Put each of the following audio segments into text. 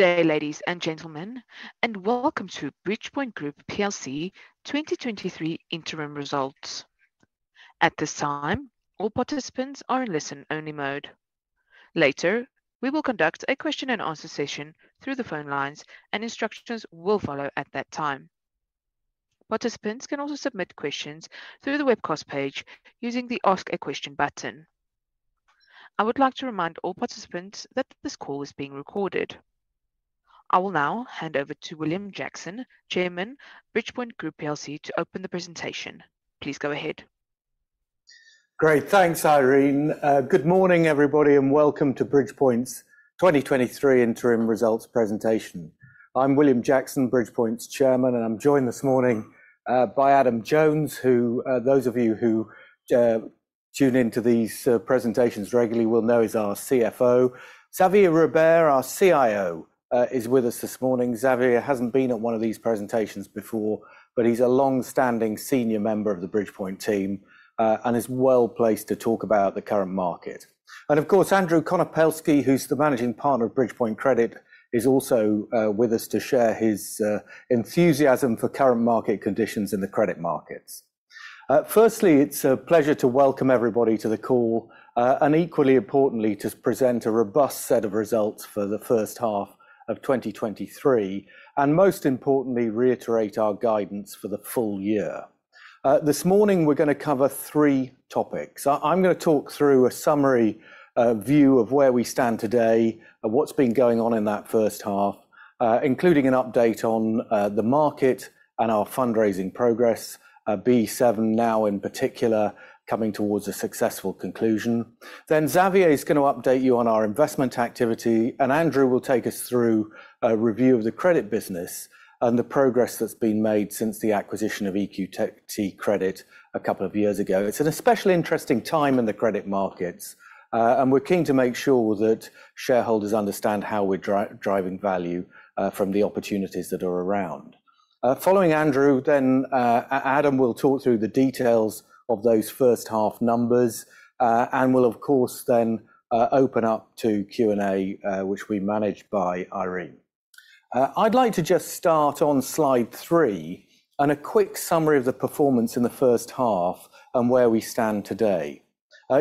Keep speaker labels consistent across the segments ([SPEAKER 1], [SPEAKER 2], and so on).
[SPEAKER 1] Good day, ladies and gentlemen, and welcome to Bridgepoint Group plc 2023 interim results. At this time, all participants are in listen-only mode. Later, we will conduct a question and answer session through the phone lines, and instructions will follow at that time. Participants can also submit questions through the webcast page using the Ask a Question button. I would like to remind all participants that this call is being recorded. I will now hand over to William Jackson, Chairman, Bridgepoint Group plc, to open the presentation. Please go ahead.
[SPEAKER 2] Great. Thanks, Irene. Good morning, everybody, and welcome to Bridgepoint's 2023 interim results presentation. I'm William Jackson, Bridgepoint's Chairman, and I'm joined this morning by Adam Jones, who those of you who tune into these presentations regularly will know is our CFO. Xavier Robert, our CIO, is with us this morning. Xavier hasn't been at one of these presentations before, but he's a long-standing senior member of the Bridgepoint team, and is well-placed to talk about the current market. Of course, Andrew Konopelski, who's the Managing Partner of Bridgepoint Credit, is also with us to share his enthusiasm for current market conditions in the credit markets. firstly, it's a pleasure to welcome everybody to the call, and equally importantly, to present a robust set of results for the first half of 2023, and most importantly, reiterate our guidance for the full year. This morning, we're gonna cover three topics. I'm gonna talk through a summary view of where we stand today and what's been going on in that first half, including an update on the market and our fundraising progress, BE VII now, in particular, coming towards a successful conclusion. Xavier is gonna update you on our investment activity. Andrew will take us through a review of the credit business and the progress that's been made since the acquisition of EQT Credit a couple of years ago. It's an especially interesting time in the credit markets, and we're keen to make sure that shareholders understand how we're driving value from the opportunities that are around. Following Andrew, then, Adam will talk through the details of those first half numbers, and we'll, of course, then, open up to Q&A, which will be managed by Irene. I'd like to just start on slide three, and a quick summary of the performance in the first half and where we stand today.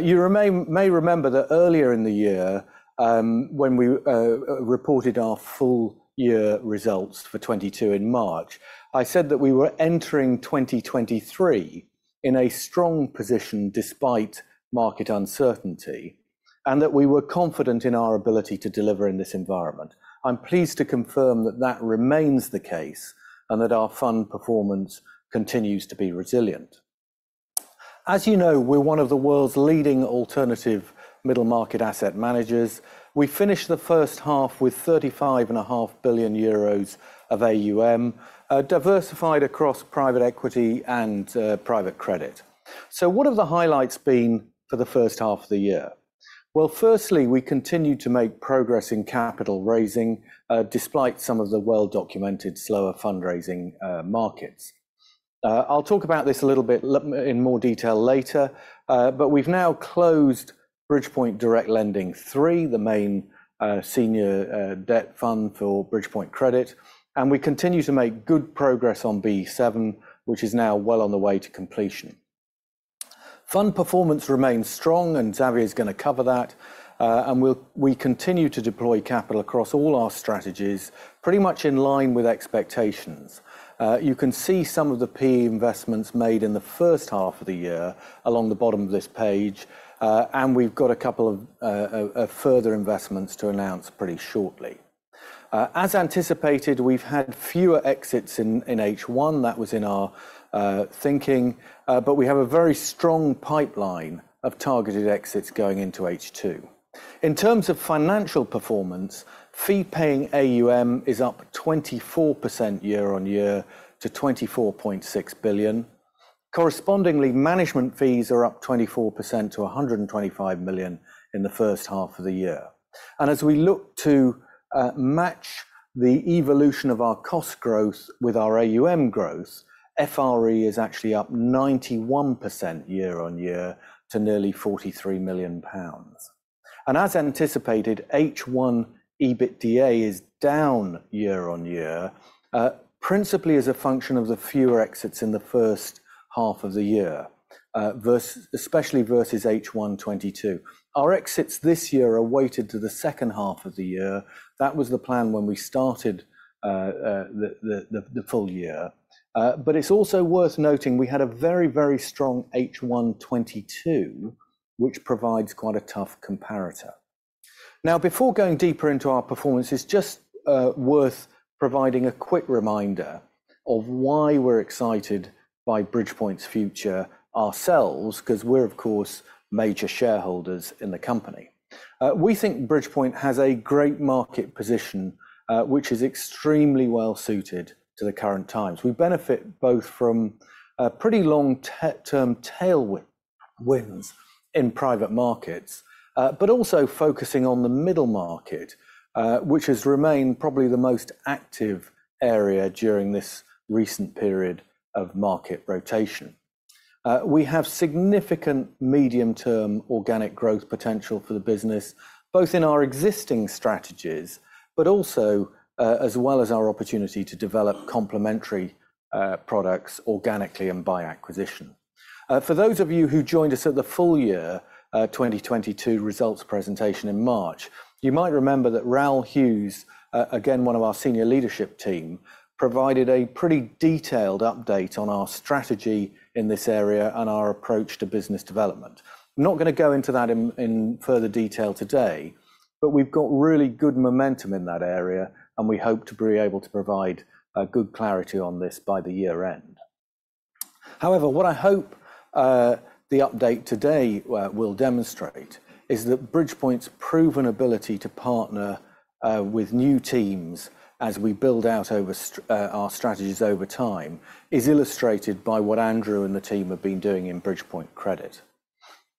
[SPEAKER 2] You may remember that earlier in the year, when we reported our full year results for 2022 in March, I said that we were entering 2023 in a strong position despite market uncertainty, and that we were confident in our ability to deliver in this environment. I'm pleased to confirm that that remains the case, and that our fund performance continues to be resilient. As you know, we're one of the world's leading alternative middle-market asset managers. We finished the first half with 35.5 billion euros of AUM, diversified across private equity and private credit. What have the highlights been for the first half of the year? Well, firstly, we continued to make progress in capital raising, despite some of the well-documented slower fundraising markets. I'll talk about this a little bit in more detail later, but we've now closed Bridgepoint Direct Lending III, the main senior debt fund for Bridgepoint Credit, and we continue to make good progress on B7, which is now well on the way to completion. Fund performance remains strong, Xavier is gonna cover that, and we continue to deploy capital across all our strategies, pretty much in line with expectations. You can see some of the PE investments made in the first half of the year along the bottom of this page, and we've got a couple of further investments to announce pretty shortly. As anticipated, we've had fewer exits in H1. That was in our thinking, but we have a very strong pipeline of targeted exits going into H2. In terms of financial performance, fee-paying AUM is up 24% year-on-year to 24.6 billion. Correspondingly, management fees are up 24% to 125 million in the first half of the year. As we look to match the evolution of our cost growth with our AUM growth, FRE is actually up 91% year-on-year to nearly 43 million pounds. As anticipated, H1 EBITDA is down year-on-year, principally as a function of the fewer exits in the first half of the year, especially versus H1 2022. Our exits this year are weighted to the second half of the year. That was the plan when we started the full year. But it's also worth noting, we had a very, very strong H1 2022, which provides quite a tough comparator. Now, before going deeper into our performance, it's just worth providing a quick reminder of why we're excited by Bridgepoint's future ourselves, 'cause we're, of course, major shareholders in the company. We think Bridgepoint has a great market position, which is extremely well suited to the current times. We benefit both from pretty long-term tailwinds in private markets, but also focusing on the middle market, which has remained probably the most active area during this recent period of market rotation. We have significant medium-term organic growth potential for the business, both in our existing strategies, but also as well as our opportunity to develop complementary products organically and by acquisition. For those of you who joined us at the full year 2022 results presentation in March, you might remember that Raoul Hughes, again, one of our senior leadership team, provided a pretty detailed update on our strategy in this area and our approach to business development. I'm not gonna go into that in further detail today, but we've got really good momentum in that area, and we hope to be able to provide good clarity on this by the year-end. However, what I hope the update today will demonstrate is that Bridgepoint's proven ability to partner with new teams as we build out our strategies over time, is illustrated by what Andrew and the team have been doing in Bridgepoint Credit.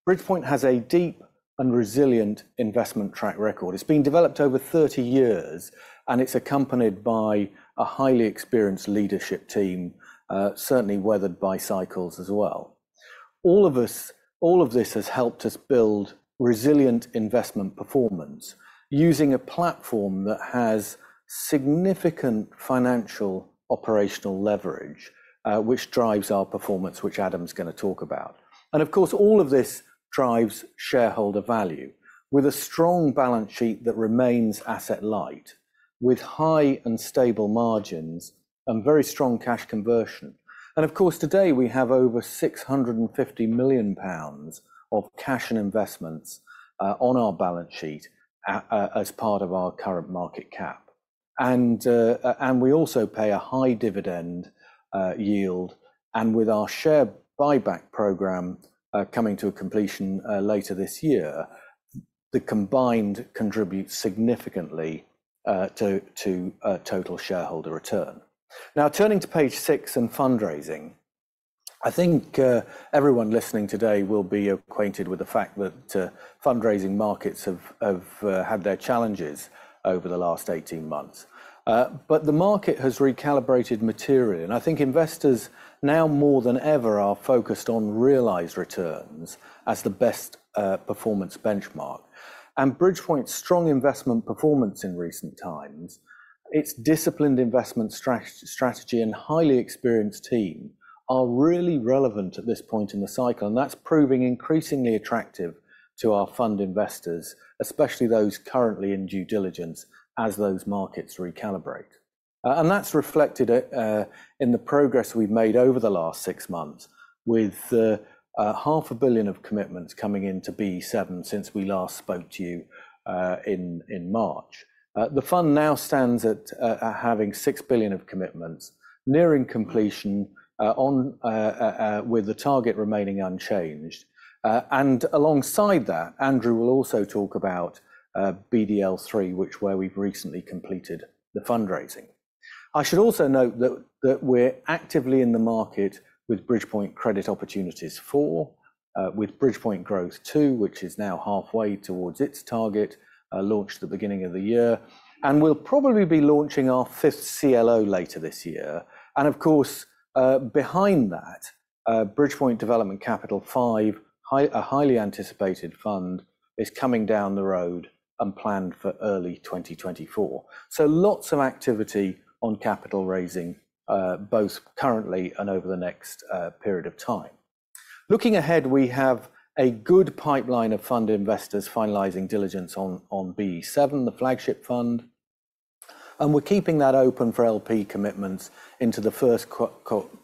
[SPEAKER 2] Bridgepoint has a deep and resilient investment track record. It's been developed over 30 years, and it's accompanied by a highly experienced leadership team, certainly weathered by cycles as well. All of this has helped us build resilient investment performance using a platform that has significant financial operational leverage, which drives our performance, which Adam's gonna talk about. Of course, all of this drives shareholder value with a strong balance sheet that remains asset-light, with high and stable margins and very strong cash conversion. Of course, today, we have over 650 million pounds of cash and investments on our balance sheet as part of our current market cap. And we also pay a high dividend yield, and with our share buyback program coming to a completion later this year, the combined contributes significantly to total shareholder return. Turning to page 6 and fundraising, I think everyone listening today will be acquainted with the fact that fundraising markets have had their challenges over the last 18 months. The market has recalibrated materially, and I think investors, now more than ever, are focused on realized returns as the best performance benchmark. Bridgepoint's strong investment performance in recent times, its disciplined investment strategy, and highly experienced team are really relevant at this point in the cycle, and that's proving increasingly attractive to our fund investors, especially those currently in due diligence, as those markets recalibrate. That's reflected in the progress we've made over the last 6 months, with half a billion of commitments coming in to BE VII since we last spoke to you in March. The fund now stands at having 6 billion of commitments, nearing completion on with the target remaining unchanged. Alongside that, Andrew will also talk about BDL III, which where we've recently completed the fundraising. I should also note that we're actively in the market with Bridgepoint Credit Opportunities IV, with Bridgepoint Growth II, which is now halfway towards its target, launched at the beginning of the year. We'll probably be launching our fifth CLO later this year. Of course, behind that, Bridgepoint Development Capital V, a highly anticipated fund, is coming down the road and planned for early 2024. Lots of activity on capital raising, both currently and over the next period of time. Looking ahead, we have a good pipeline of fund investors finalizing diligence on BE VII, the flagship fund, and we're keeping that open for LP commitments into the 1st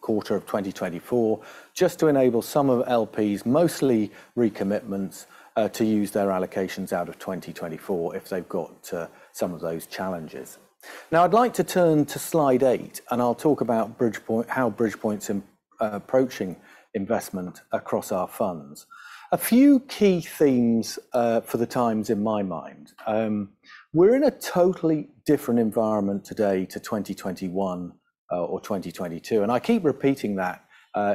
[SPEAKER 2] quarter of 2024, just to enable some of LPs, mostly recommitments, to use their allocations out of 2024 if they've got some of those challenges. I'd like to turn to slide 8, I'll talk about Bridgepoint how Bridgepoint's approaching investment across our funds. A few key themes for the times in my mind. We're in a totally different environment today to 2021 or 2022, I keep repeating that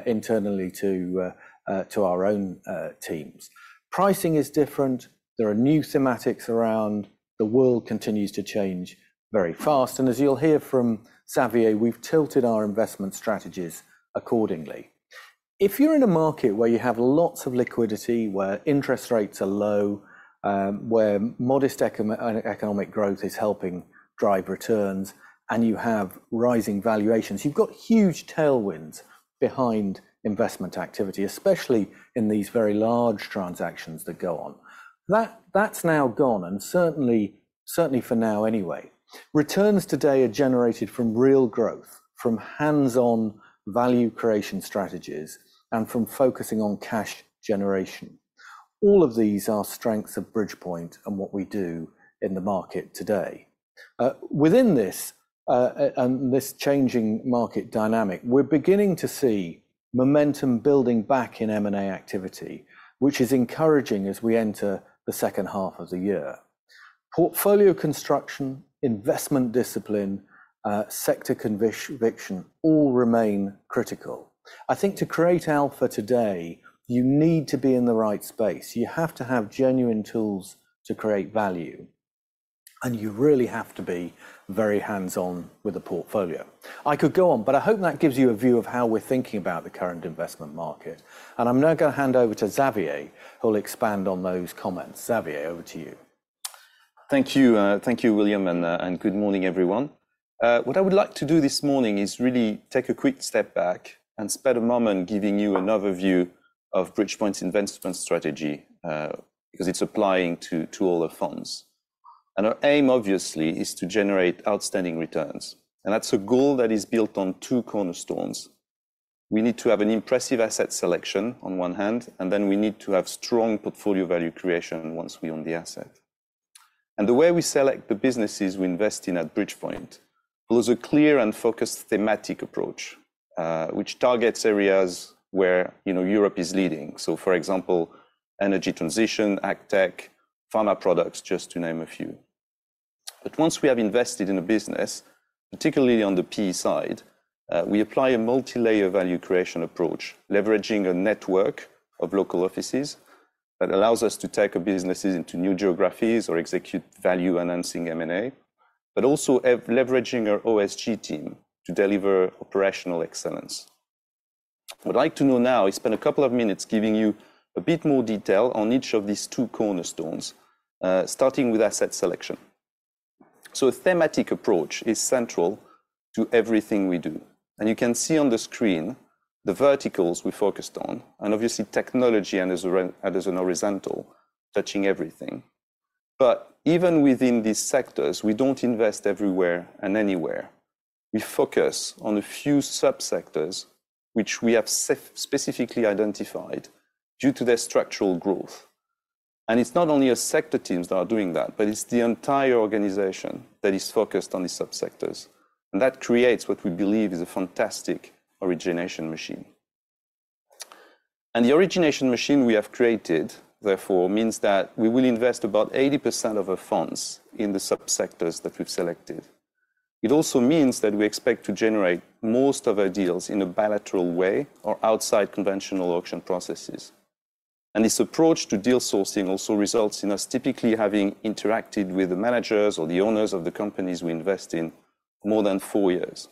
[SPEAKER 2] internally to our own teams. Pricing is different. There are new thematics around. The world continues to change very fast, as you'll hear from Xavier, we've tilted our investment strategies accordingly. If you're in a market where you have lots of liquidity, where interest rates are low, where modest economic growth is helping drive returns, you have rising valuations, you've got huge tailwinds behind investment activity, especially in these very large transactions that go on. That's now gone, certainly for now anyway. Returns today are generated from real growth, from hands-on value creation strategies, and from focusing on cash generation. All of these are strengths of Bridgepoint and what we do in the market today. Within this changing market dynamic, we're beginning to see momentum building back in M&A activity, which is encouraging as we enter the second half of the year. Portfolio construction, investment discipline, sector conviction all remain critical. I think to create alpha today, you need to be in the right space. You have to have genuine tools to create value. You really have to be very hands-on with the portfolio. I could go on, but I hope that gives you a view of how we're thinking about the current investment market, and I'm now gonna hand over to Xavier, who will expand on those comments. Xavier, over to you.
[SPEAKER 3] Thank you. Thank you, William, and good morning, everyone. What I would like to do this morning is really take a quick step back and spend a moment giving you another view of Bridgepoint's investment strategy, because it's applying to all the funds. Our aim, obviously, is to generate outstanding returns, and that's a goal that is built on two cornerstones. We need to have an impressive asset selection on one hand, and then we need to have strong portfolio value creation once we own the asset. The way we select the businesses we invest in at Bridgepoint follows a clear and focused thematic approach, which targets areas where, you know, Europe is leading. For example, energy transition, AgTech, pharma products, just to name a few. Once we have invested in a business, particularly on the PE side, we apply a multi-layer value creation approach, leveraging a network of local offices that allows us to take our businesses into new geographies or execute value-enhancing M&A, but also leveraging our OSG team to deliver operational excellence. I'd like to do now is spend a couple of minutes giving you a bit more detail on each of these two cornerstones, starting with asset selection. A thematic approach is central to everything we do, and you can see on the screen the verticals we focused on, and obviously, technology and as an horizontal, touching everything. Even within these sectors, we don't invest everywhere and anywhere. We focus on a few subsectors which we have specifically identified due to their structural growth. It's not only our sector teams that are doing that, but it's the entire organization that is focused on these subsectors. That creates what we believe is a fantastic origination machine. The origination machine we have created, therefore, means that we will invest about 80% of our funds in the subsectors that we've selected. It also means that we expect to generate most of our deals in a bilateral way or outside conventional auction processes. This approach to deal sourcing also results in us typically having interacted with the managers or the owners of the companies we invest in more than 4 years.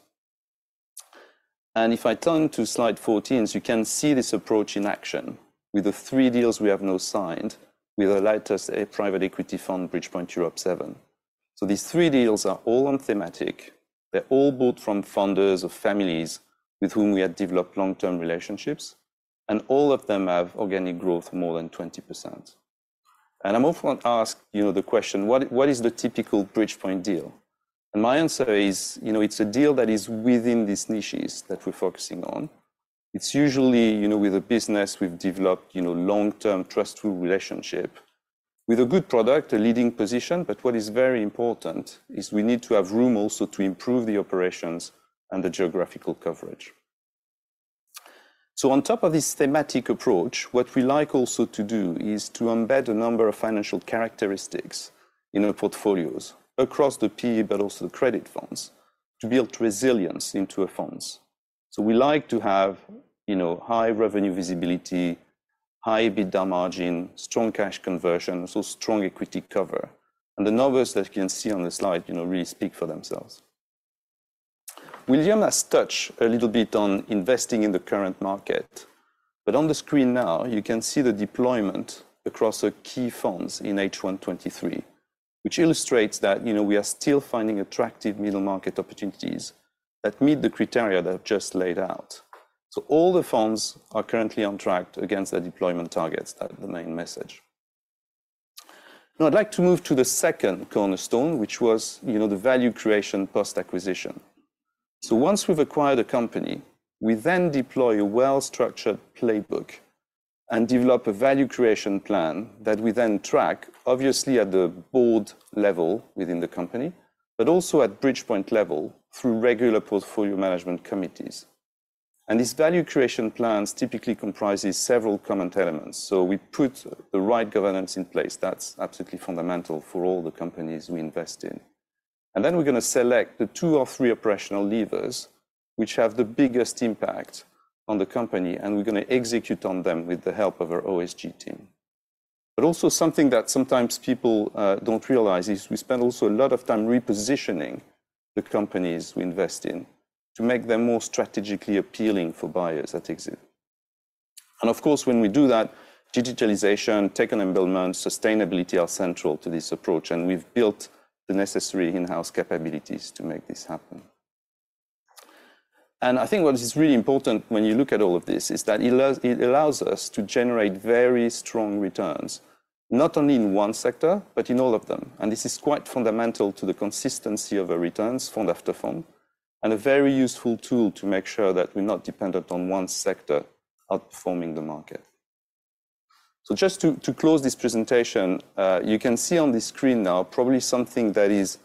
[SPEAKER 3] If I turn to slide 14, you can see this approach in action with the 3 deals we have now signed with our latest private equity fund, Bridgepoint Europe VII. These 3 deals are all on thematic. They're all bought from founders of families with whom we have developed long-term relationships. All of them have organic growth more than 20%. I'm often asked, you know, the question: What is the typical Bridgepoint deal? My answer is, you know, it's a deal that is within these niches that we're focusing on. It's usually, you know, with a business we've developed, you know, long-term, trustworthy relationship with a good product, a leading position. What is very important is we need to have room also to improve the operations and the geographical coverage. On top of this thematic approach, what we like also to do is to embed a number of financial characteristics in our portfolios across the PE, but also the credit funds, to build resilience into our funds. We like to have, you know, high revenue visibility, high EBITDA margin, strong cash conversion, also strong equity cover. The numbers that you can see on the slide, you know, really speak for themselves. William has touched a little bit on investing in the current market, but on the screen now, you can see the deployment across the key funds in H1 2023, which illustrates that, you know, we are still finding attractive middle market opportunities that meet the criteria that I've just laid out. All the funds are currently on track against their deployment targets. That is the main message. I'd like to move to the second cornerstone, which was, you know, the value creation post-acquisition. Once we've acquired a company, we then deploy a well-structured playbook and develop a value creation plan that we then track, obviously at the board level within the company, but also at Bridgepoint level through regular portfolio management committees. This value creation plans typically comprises several common elements. We put the right governance in place. That's absolutely fundamental for all the companies we invest in. Then we're gonna select the two or three operational levers which have the biggest impact on the company, and we're gonna execute on them with the help of our OSG team. Also something that sometimes people don't realize is we spend also a lot of time repositioning the companies we invest in to make them more strategically appealing for buyers at exit. Of course, when we do that, digitalization, tech enablement, sustainability are central to this approach, and we've built the necessary in-house capabilities to make this happen. I think what is really important when you look at all of this is that it allows us to generate very strong returns, not only in one sector, but in all of them. This is quite fundamental to the consistency of our returns fund after fund, and a very useful tool to make sure that we're not dependent on one sector outperforming the market. Just to close this presentation, you can see on the screen now probably something that is,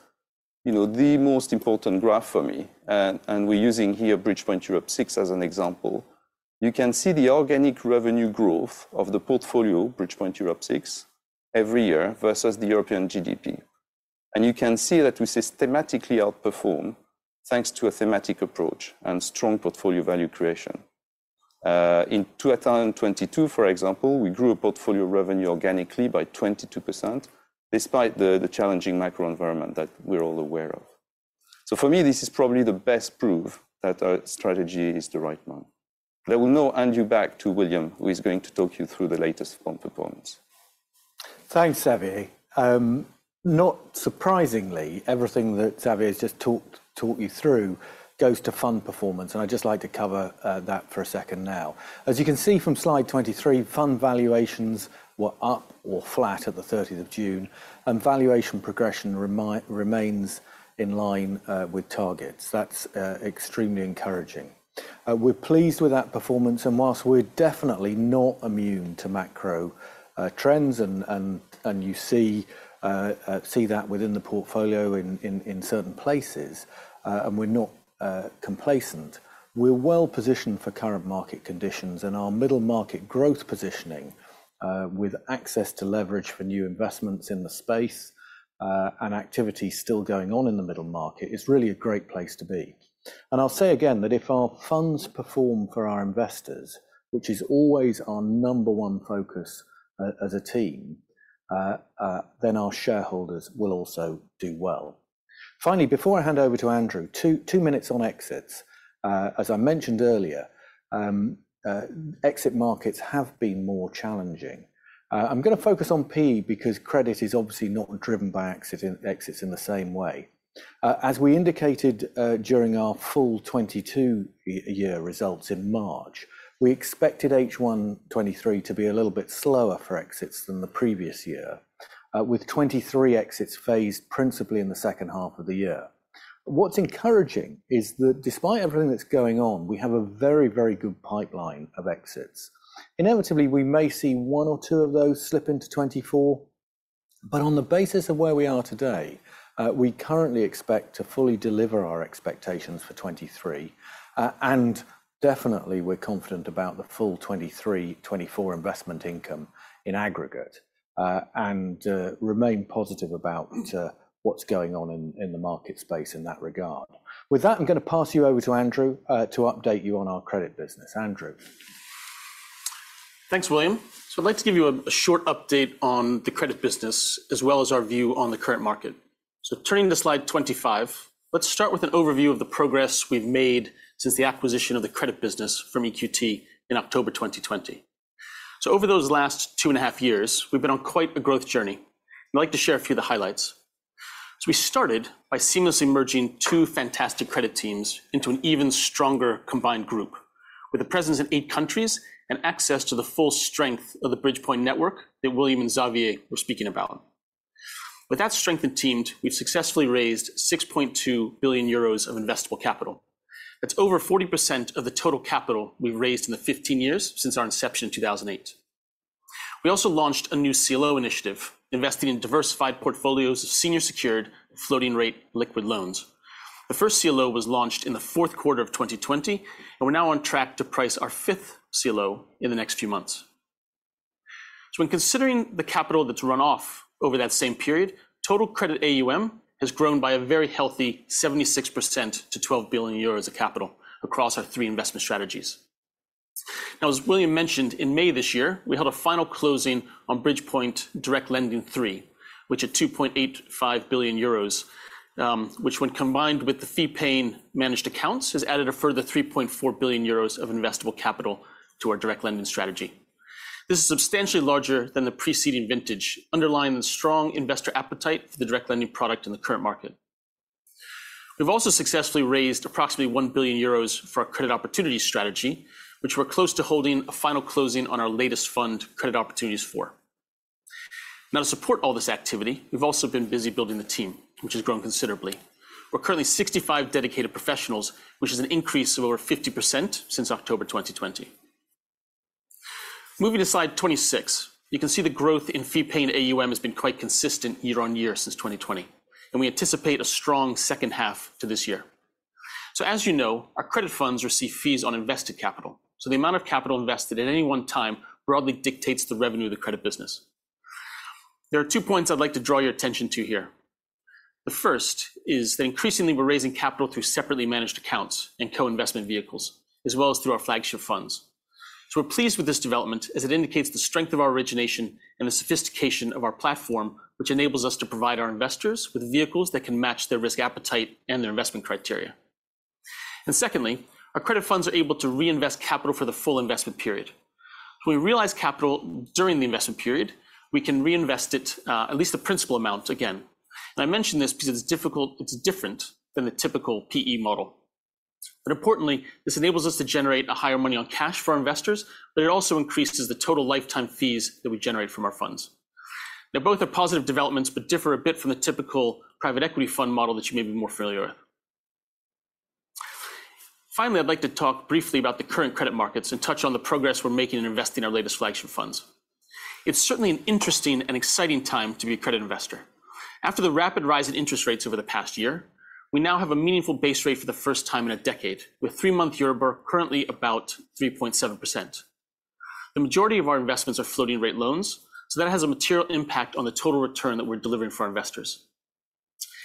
[SPEAKER 3] you know, the most important graph for me, and we're using here, Bridgepoint Europe VI as an example. You can see the organic revenue growth of the portfolio, Bridgepoint Europe VI, every year versus the European GDP. You can see that we systematically outperform thanks to a thematic approach and strong portfolio value creation. In 2022, for example, we grew a portfolio revenue organically by 22%, despite the challenging macro environment that we're all aware of. For me, this is probably the best proof that our strategy is the right one. I will now hand you back to William, who is going to talk you through the latest fund performance.
[SPEAKER 2] Thanks, Xavier. Not surprisingly, everything that Xavier has just talked you through goes to fund performance, and I'd just like to cover that for a second now. As you can see from slide 23, fund valuations were up or flat at the June 13th, and valuation progression remains in line with targets. That's extremely encouraging. We're pleased with that performance, and whilst we're definitely not immune to macro trends, and you see that within the portfolio in certain places, and we're not complacent, we're well positioned for current market conditions, and our middle market growth positioning, with access to leverage for new investments in the space, and activity still going on in the middle market, is really a great place to be. I'll say again that if our funds perform for our investors, which is always our number one focus as a team, then our shareholders will also do well. Finally, before I hand over to Andrew, 2 minutes on exits. As I mentioned earlier, exit markets have been more challenging. I'm gonna focus on P because credit is obviously not driven by exits in the same way. As we indicated, during our full 2022 year results in March, we expected H1 2023 to be a little bit slower for exits than the previous year, with 2023 exits phased principally in the second half of the year. What's encouraging is that despite everything that's going on, we have a very, very good pipeline of exits. Inevitably, we may see one or two of those slip into 2024, on the basis of where we are today, we currently expect to fully deliver our expectations for 2023. Definitely we're confident about the full 2023, 2024 investment income in aggregate, and remain positive about what's going on in the market space in that regard. With that, I'm gonna pass you over to Andrew to update you on our credit business. Andrew?
[SPEAKER 4] Thanks, William. I'd like to give you a short update on the Credit business, as well as our view on the current market. Turning to slide 25, let's start with an overview of the progress we've made since the acquisition of the Credit business from EQT in October 2020. Over those last two and a half years, we've been on quite a growth journey. I'd like to share a few of the highlights. We started by seamlessly merging two fantastic Credit teams into an even stronger combined group, with a presence in eight countries and access to the full strength of the Bridgepoint network that William and Xavier were speaking about. With that strengthened team, we've successfully raised 6.2 billion euros of investable capital. That's over 40% of the total capital we've raised in the 15 years since our inception in 2008. We also launched a new CLO initiative, investing in diversified portfolios of senior secured floating rate liquid loans. The first CLO was launched in the fourth quarter of 2020, and we're now on track to price our fifth CLO in the next few months. When considering the capital that's run off over that same period, total credit AUM has grown by a very healthy 76% to 12 billion euros of capital across our three investment strategies. As William mentioned, in May this year, we held a final closing on Bridgepoint Direct Lending III, which at 2.85 billion euros, which when combined with the fee-paying managed accounts, has added a further 3.4 billion euros of investable capital to our direct lending strategy. This is substantially larger than the preceding vintage, underlying the strong investor appetite for the direct lending product in the current market. We've also successfully raised approximately 1 billion euros for our credit opportunity strategy, which we're close to holding a final closing on our latest fund, Credit Opportunities IV. Now, to support all this activity, we've also been busy building the team, which has grown considerably. We're currently 65 dedicated professionals, which is an increase of over 50% since October 2020. Moving to slide 26, you can see the growth in fee-paying AUM has been quite consistent year-on-year since 2020, and we anticipate a strong second half to this year. As you know, our credit funds receive fees on invested capital, so the amount of capital invested at any one time broadly dictates the revenue of the credit business. There are two points I'd like to draw your attention to here. The first is that increasingly, we're raising capital through separately managed accounts and co-investment vehicles, as well as through our flagship funds. We're pleased with this development as it indicates the strength of our origination and the sophistication of our platform, which enables us to provide our investors with vehicles that can match their risk appetite and their investment criteria. Secondly, our credit funds are able to reinvest capital for the full investment period. When we realize capital during the investment period, we can reinvest it, at least the principal amount again. I mention this because it's different than the typical PE model. Importantly, this enables us to generate a higher money on cash for our investors, but it also increases the total lifetime fees that we generate from our funds. Both are positive developments, but differ a bit from the typical private equity fund model that you may be more familiar with. Finally, I'd like to talk briefly about the current credit markets and touch on the progress we're making in investing in our latest flagship funds. It's certainly an interesting and exciting time to be a credit investor. After the rapid rise in interest rates over the past year, we now have a meaningful base rate for the first time in a decade, with 3-month Euribor currently about 3.7%. The majority of our investments are floating-rate loans, so that has a material impact on the total return that we're delivering for our investors.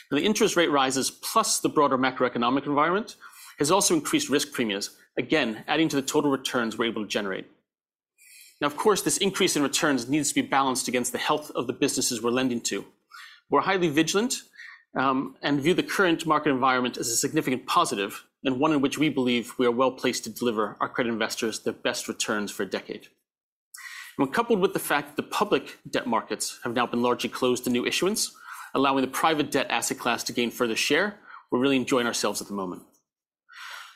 [SPEAKER 4] The interest rate rises, plus the broader macroeconomic environment, has also increased risk premiums, again, adding to the total returns we're able to generate. Of course, this increase in returns needs to be balanced against the health of the businesses we're lending to. We're highly vigilant, and view the current market environment as a significant positive, and one in which we believe we are well-placed to deliver our credit investors the best returns for a decade. When coupled with the fact the public debt markets have now been largely closed to new issuance, allowing the private debt asset class to gain further share, we're really enjoying ourselves at the moment.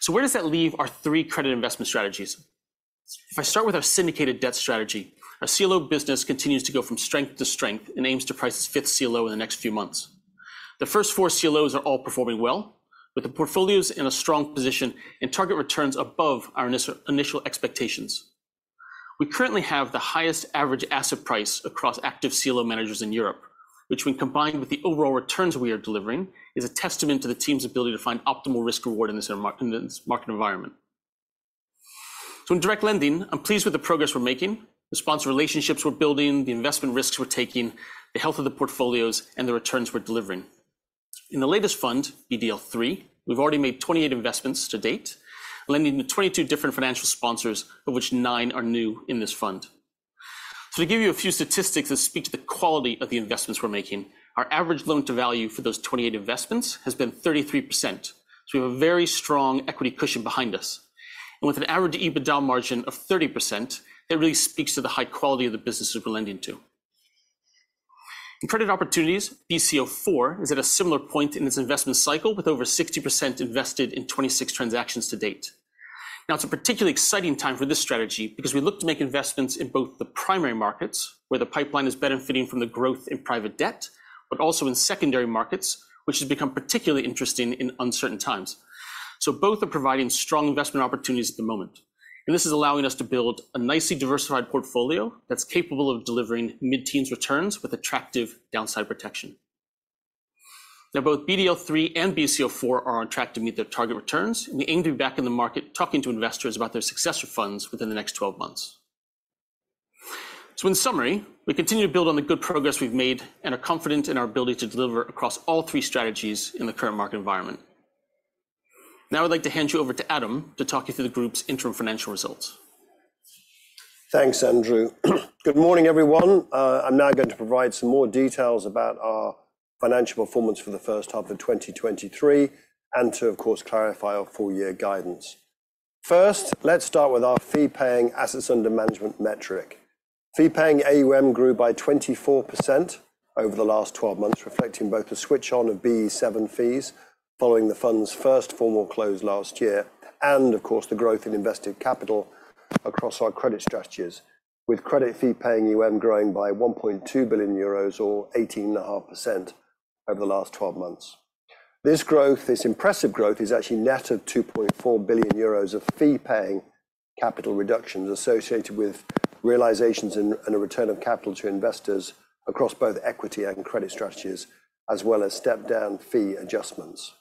[SPEAKER 4] Where does that leave our three credit investment strategies? If I start with our syndicated debt strategy, our CLO business continues to go from strength to strength and aims to price its fifth CLO in the next few months. The first four CLOs are all performing well, with the portfolios in a strong position and target returns above our initial expectations. We currently have the highest average asset price across active CLO managers in Europe, which, when combined with the overall returns we are delivering, is a testament to the team's ability to find optimal risk reward in this market environment. In direct lending, I'm pleased with the progress we're making, the sponsor relationships we're building, the investment risks we're taking, the health of the portfolios, and the returns we're delivering. In the latest fund, BDL III, we've already made 28 investments to date, lending to 22 different financial sponsors, of which nine are new in this fund. To give you a few statistics that speak to the quality of the investments we're making, our average loan-to-value for those 28 investments has been 33%. We have a very strong equity cushion behind us. With an average to EBITDA margin of 30%, it really speaks to the high quality of the businesses we're lending to. In credit opportunities, BCO IV is at a similar point in its investment cycle, with over 60% invested in 26 transactions to date. Now, it's a particularly exciting time for this strategy because we look to make investments in both the primary markets, where the pipeline is benefiting from the growth in private debt, but also in secondary markets, which has become particularly interesting in uncertain times. Both are providing strong investment opportunities at the moment, and this is allowing us to build a nicely diversified portfolio that's capable of delivering mid-teens returns with attractive downside protection. Now, both BDL III and BCO IV are on track to meet their target returns, and we aim to be back in the market talking to investors about their successor funds within the next 12 months. In summary, we continue to build on the good progress we've made and are confident in our ability to deliver across all 3 strategies in the current market environment. Now, I'd like to hand you over to Adam to talk you through the group's interim financial results.
[SPEAKER 5] Thanks, Andrew. Good morning, everyone. I'm now going to provide some more details about our financial performance for the first half of 2023. To, of course, clarify our full year guidance. First, let's start with our fee-paying AUM metric. Fee-paying AUM grew by 24% over the last 12 months, reflecting both the switch on of BE VII fees following the fund's first formal close last year. Of course, the growth in invested capital across our credit strategies, with credit fee-paying AUM growing by 1.2 billion euros or 18.5% over the last 12 months. This growth, this impressive growth, is actually net of 2.4 billion euros of fee-paying capital reductions associated with realizations and a return of capital to investors across both equity and credit strategies, as well as step-down fee adjustments.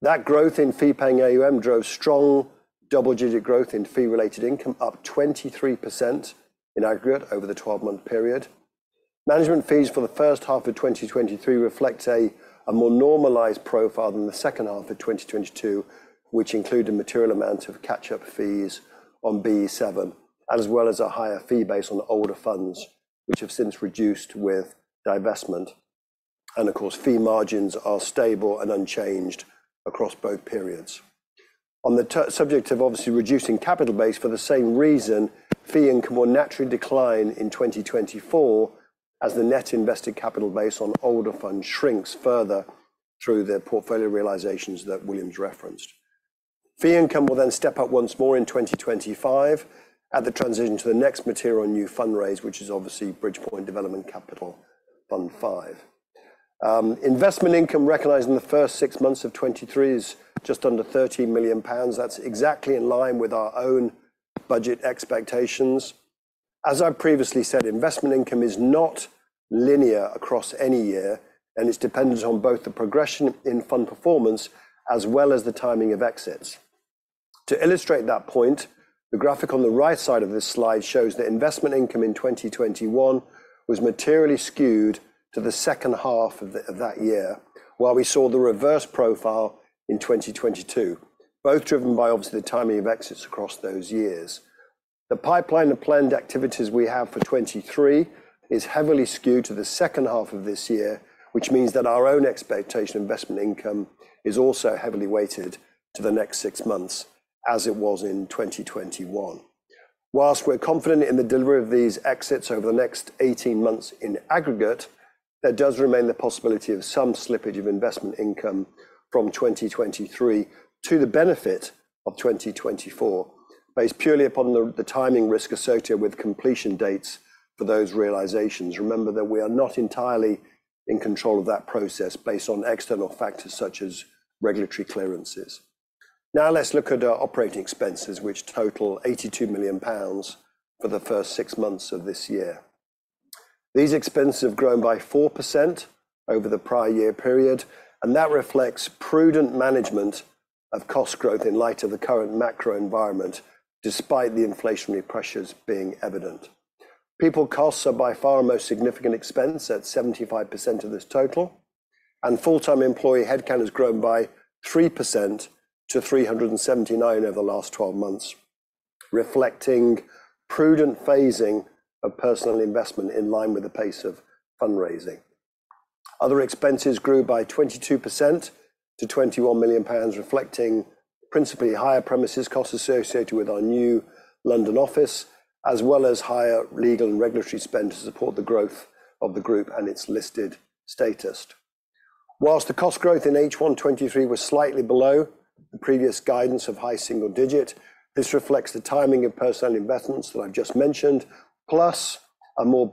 [SPEAKER 5] That growth in fee-paying AUM drove strong double-digit growth in fee-related income, up 23% in aggregate over the 12-month period. Management fees for the first half of 2023 reflect a more normalized profile than the second half of 2022, which include a material amount of catch-up fees on BE VII, as well as a higher fee base on older funds, which have since reduced with divestment. Of course, fee margins are stable and unchanged across both periods. On the subject of obviously reducing capital base for the same reason, fee income will naturally decline in 2024 as the net invested capital base on older funds shrinks further through the portfolio realizations that William's referenced. Fee income will step up once more in 2025 at the transition to the next material new fundraise, which is obviously Bridgepoint Development Capital V. Investment income recognized in the first six months of 2023 is just under 13 million pounds. That's exactly in line with our own budget expectations. As I previously said, investment income is not linear across any year, and it's dependent on both the progression in fund performance as well as the timing of exits. To illustrate that point, the graphic on the right side of this slide shows that investment income in 2021 was materially skewed to the second half of that year, while we saw the reverse profile in 2022, both driven by obviously the timing of exits across those years. The pipeline of planned activities we have for 2023 is heavily skewed to the second half of this year, which means that our own expectation investment income is also heavily weighted to the next six months, as it was in 2021. While we're confident in the delivery of these exits over the next 18 months in aggregate, there does remain the possibility of some slippage of investment income from 2023 to the benefit of 2024, based purely upon the timing risk associated with completion dates for those realizations. Remember that we are not entirely in control of that process based on external factors such as regulatory clearances. Let's look at our operating expenses, which total 82 million pounds for the first six months of this year. These expenses have grown by 4% over the prior year period, and that reflects prudent management of cost growth in light of the current macro environment, despite the inflationary pressures being evident. People costs are by far the most significant expense at 75% of this total. Full-time employee headcount has grown by 3% to 379 over the last 12 months, reflecting prudent phasing of personal investment in line with the pace of fundraising. Other expenses grew by 22% to 21 million pounds, reflecting principally higher premises costs associated with our new London office, as well as higher legal and regulatory spend to support the growth of the group and its listed status. The cost growth in H1 '23 was slightly below the previous guidance of high single digit, this reflects the timing of personnel investments that I've just mentioned, plus a more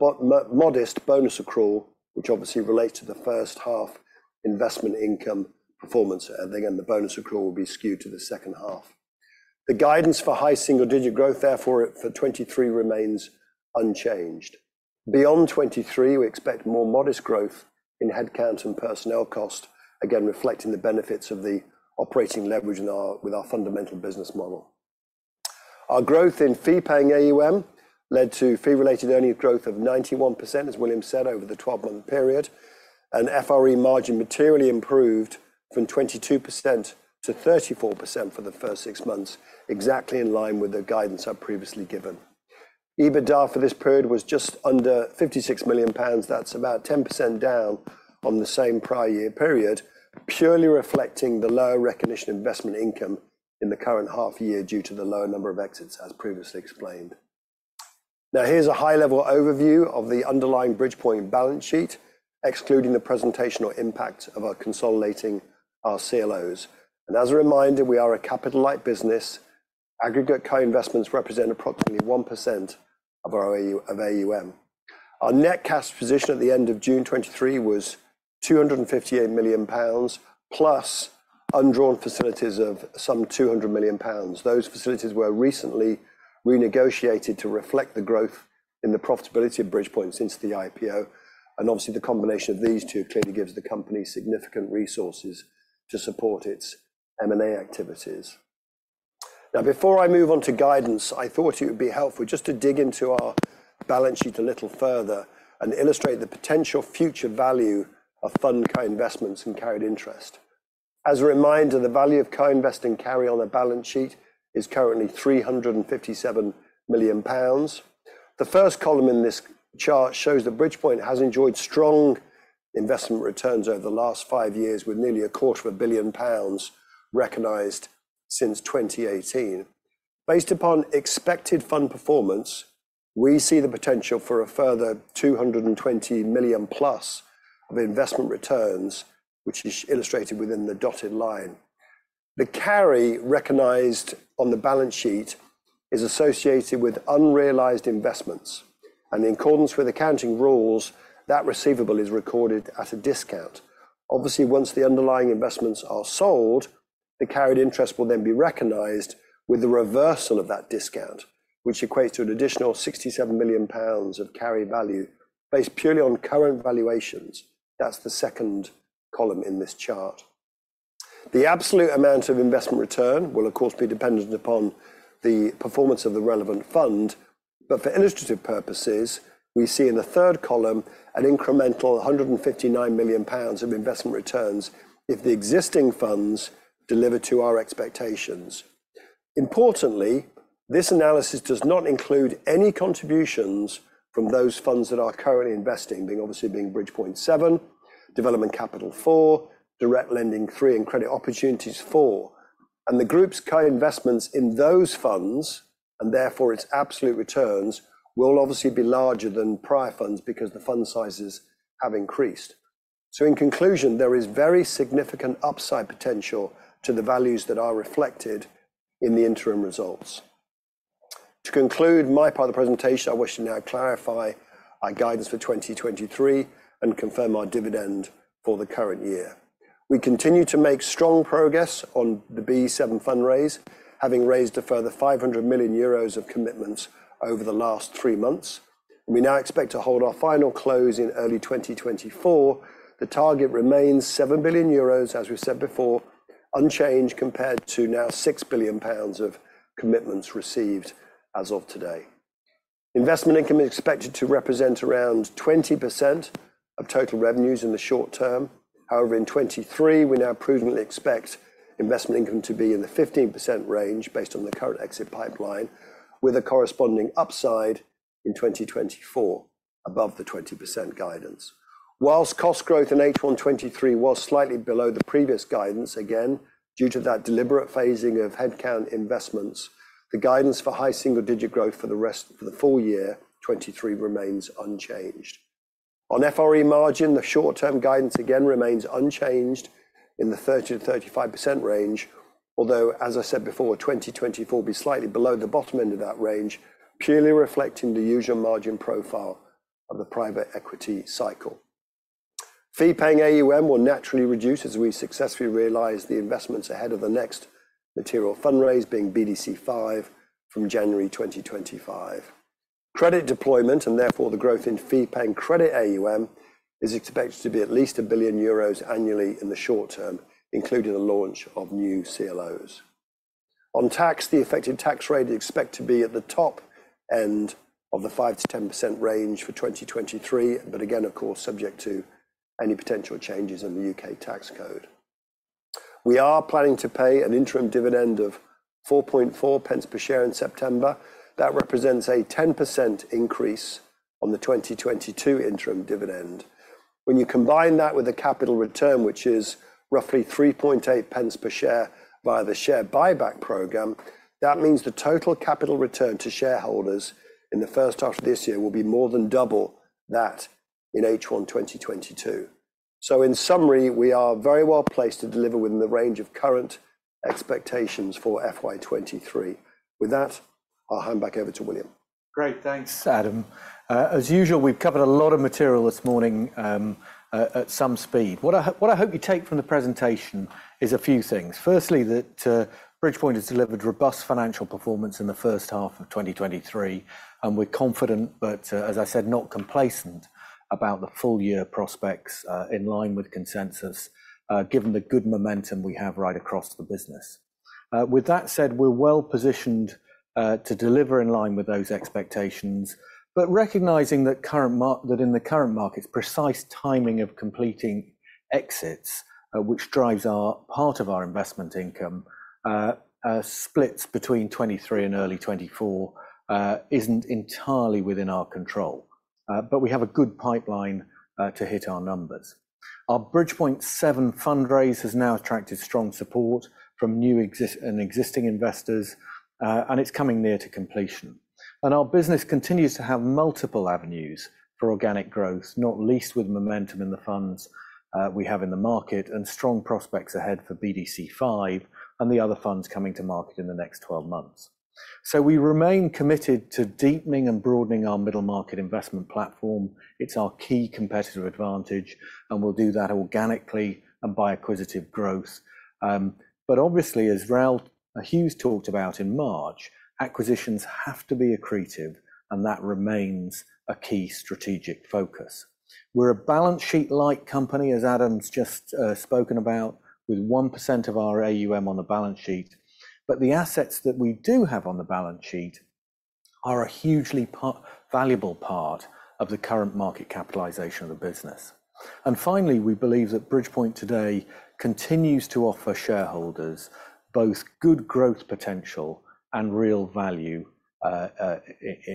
[SPEAKER 5] modest bonus accrual, which obviously relates to the first half investment income performance, and again, the bonus accrual will be skewed to the second half. The guidance for high single-digit growth, therefore, for 2023 remains unchanged. Beyond 2023, we expect more modest growth in headcount and personnel cost, again, reflecting the benefits of the operating leverage with our fundamental business model. Our growth in fee-paying AUM led to fee-related earning growth of 91%, as William said, over the 12-month period. FRE margin materially improved from 22%-34% for the first six months, exactly in line with the guidance I've previously given. EBITDA for this period was just under 56 million pounds. That's about 10% down on the same prior year period, purely reflecting the lower recognition investment income in the current half year due to the lower number of exits, as previously explained. Here's a high-level overview of the underlying Bridgepoint balance sheet, excluding the presentational impact of our consolidating our CLOs. As a reminder, we are a capital-light business. Aggregate co-investments represent approximately 1% of our AUM. Our net cash position at the end of June 2023 was 258 million pounds, plus undrawn facilities of some 200 million pounds. Those facilities were recently renegotiated to reflect the growth in the profitability of Bridgepoint since the IPO, and obviously, the combination of these two clearly gives the company significant resources to support its M&A activities. Before I move on to guidance, I thought it would be helpful just to dig into our balance sheet a little further and illustrate the potential future value of fund co-investments and carried interest. As a reminder, the value of co-investing carry on the balance sheet is currently 357 million pounds. The first column in this chart shows that Bridgepoint has enjoyed strong investment returns over the last five years, with nearly a quarter of a billion pounds recognized since 2018. Based upon expected fund performance, we see the potential for a further 220 million-plus of investment returns, which is illustrated within the dotted line. The carry recognized on the balance sheet is associated with unrealized investments, and in accordance with accounting rules, that receivable is recorded at a discount. Obviously, once the underlying investments are sold, the carried interest will then be recognized with the reversal of that discount, which equates to an additional 67 million pounds of carry value based purely on current valuations. That's the second column in this chart. The absolute amount of investment return will, of course, be dependent upon the performance of the relevant fund. For illustrative purposes, we see in the third column an incremental 159 million pounds of investment returns if the existing funds deliver to our expectations. Importantly, this analysis does not include any contributions from those funds that are currently investing, being Bridgepoint Seven, Development Capital Four, Direct Lending Three, and Credit Opportunities Four. The group's co-investments in those funds, and therefore its absolute returns, will obviously be larger than prior funds because the fund sizes have increased. In conclusion, there is very significant upside potential to the values that are reflected in the interim results. To conclude my part of the presentation, I wish to now clarify our guidance for 2023 and confirm our dividend for the current year. We continue to make strong progress on the BE VII fundraise, having raised a further 500 million euros of commitments over the last three months. We now expect to hold our final close in early 2024. The target remains 7 billion euros, as we said before, unchanged compared to now 6 billion pounds of commitments received as of today. Investment income is expected to represent around 20% of total revenues in the short term. However, in 2023, we now prudently expect investment income to be in the 15% range based on the current exit pipeline, with a corresponding upside in 2024 above the 20% guidance. Whilst cost growth in H1 2023 was slightly below the previous guidance, again, due to that deliberate phasing of headcount investments, the guidance for high single-digit growth for the full year 2023 remains unchanged. On FRE margin, the short-term guidance again remains unchanged in the 30%-35% range, although, as I said before, 2024 will be slightly below the bottom end of that range, purely reflecting the usual margin profile of the private equity cycle. Fee-paying AUM will naturally reduce as we successfully realize the investments ahead of the next material fundraise, being BDC V from January 2025. Credit deployment and therefore the growth in fee-paying credit AUM, is expected to be at least 1 billion euros annually in the short term, including the launch of new CLOs.... On tax, the effective tax rate we expect to be at the top end of the 5%-10% range for 2023, but again, of course, subject to any potential changes in the U.K. tax code. We are planning to pay an interim dividend of 0.044 per share in September. That represents a 10% increase on the 2022 interim dividend. When you combine that with a capital return, which is roughly 0.038 per share via the share buyback program, that means the total capital return to shareholders in the first half of this year will be more than double that in H1 2022. In summary, we are very well placed to deliver within the range of current expectations for FY 2023. With that, I'll hand back over to William.
[SPEAKER 2] Great. Thanks, Adam. As usual, we've covered a lot of material this morning, at some speed. What I hope you take from the presentation is a few things. Firstly, that Bridgepoint has delivered robust financial performance in the first half of 2023. We're confident, but as I said, not complacent about the full year prospects, in line with consensus, given the good momentum we have right across the business. With that said, we're well positioned to deliver in line with those expectations, but recognizing that in the current markets, precise timing of completing exits, which drives part of our investment income, splits between 23 and early 24, isn't entirely within our control. We have a good pipeline to hit our numbers. Our Bridgepoint Seven fundraise has now attracted strong support from new and existing investors, and it's coming near to completion. Our business continues to have multiple avenues for organic growth, not least with momentum in the funds we have in the market, and strong prospects ahead for BDC V and the other funds coming to market in the next 12 months. We remain committed to deepening and broadening our middle market investment platform. It's our key competitive advantage, and we'll do that organically and by acquisitive growth. Obviously, as Raoul Hughes talked about in March, acquisitions have to be accretive, and that remains a key strategic focus. We're a balance sheet light company, as Adam's just spoken about, with 1% of our AUM on the balance sheet. The assets that we do have on the balance sheet are a hugely valuable part of the current market capitalization of the business. Finally, we believe that Bridgepoint today continues to offer shareholders both good growth potential and real value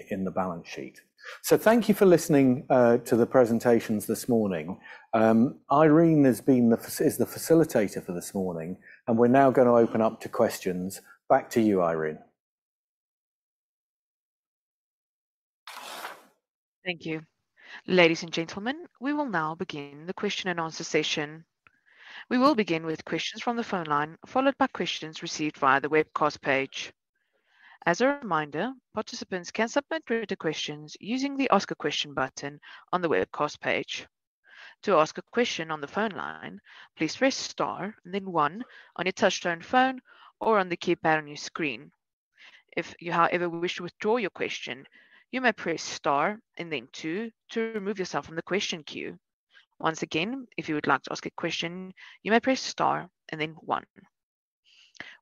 [SPEAKER 2] in the balance sheet. Thank you for listening to the presentations this morning. Irene is the facilitator for this morning, and we're now gonna open up to questions. Back to you, Irene.
[SPEAKER 1] Thank you. Ladies and gentlemen, we will now begin the question and answer session. We will begin with questions from the phone line, followed by questions received via the webcast page. As a reminder, participants can submit written questions using the Ask a Question button on the webcast page. To ask a question on the phone line, please press star, and then one on your touchtone phone or on the keypad on your screen. If you, however, wish to withdraw your question, you may press star and then two to remove yourself from the question queue. Once again, if you would like to ask a question, you may press star and then one.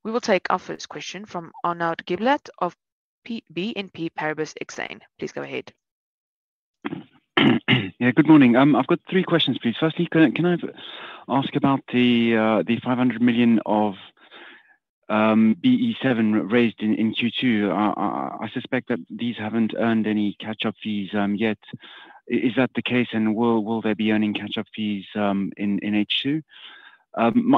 [SPEAKER 1] We will take our first question from Arnaud Giblat of BNP Paribas Exane. Please go ahead.
[SPEAKER 6] Yeah, good morning. I've got three questions, please. Firstly, can I ask about the 500 million of BE VII raised in Q2? I suspect that these haven't earned any catch-up fees yet. Is that the case, and will they be earning catch-up fees in H2?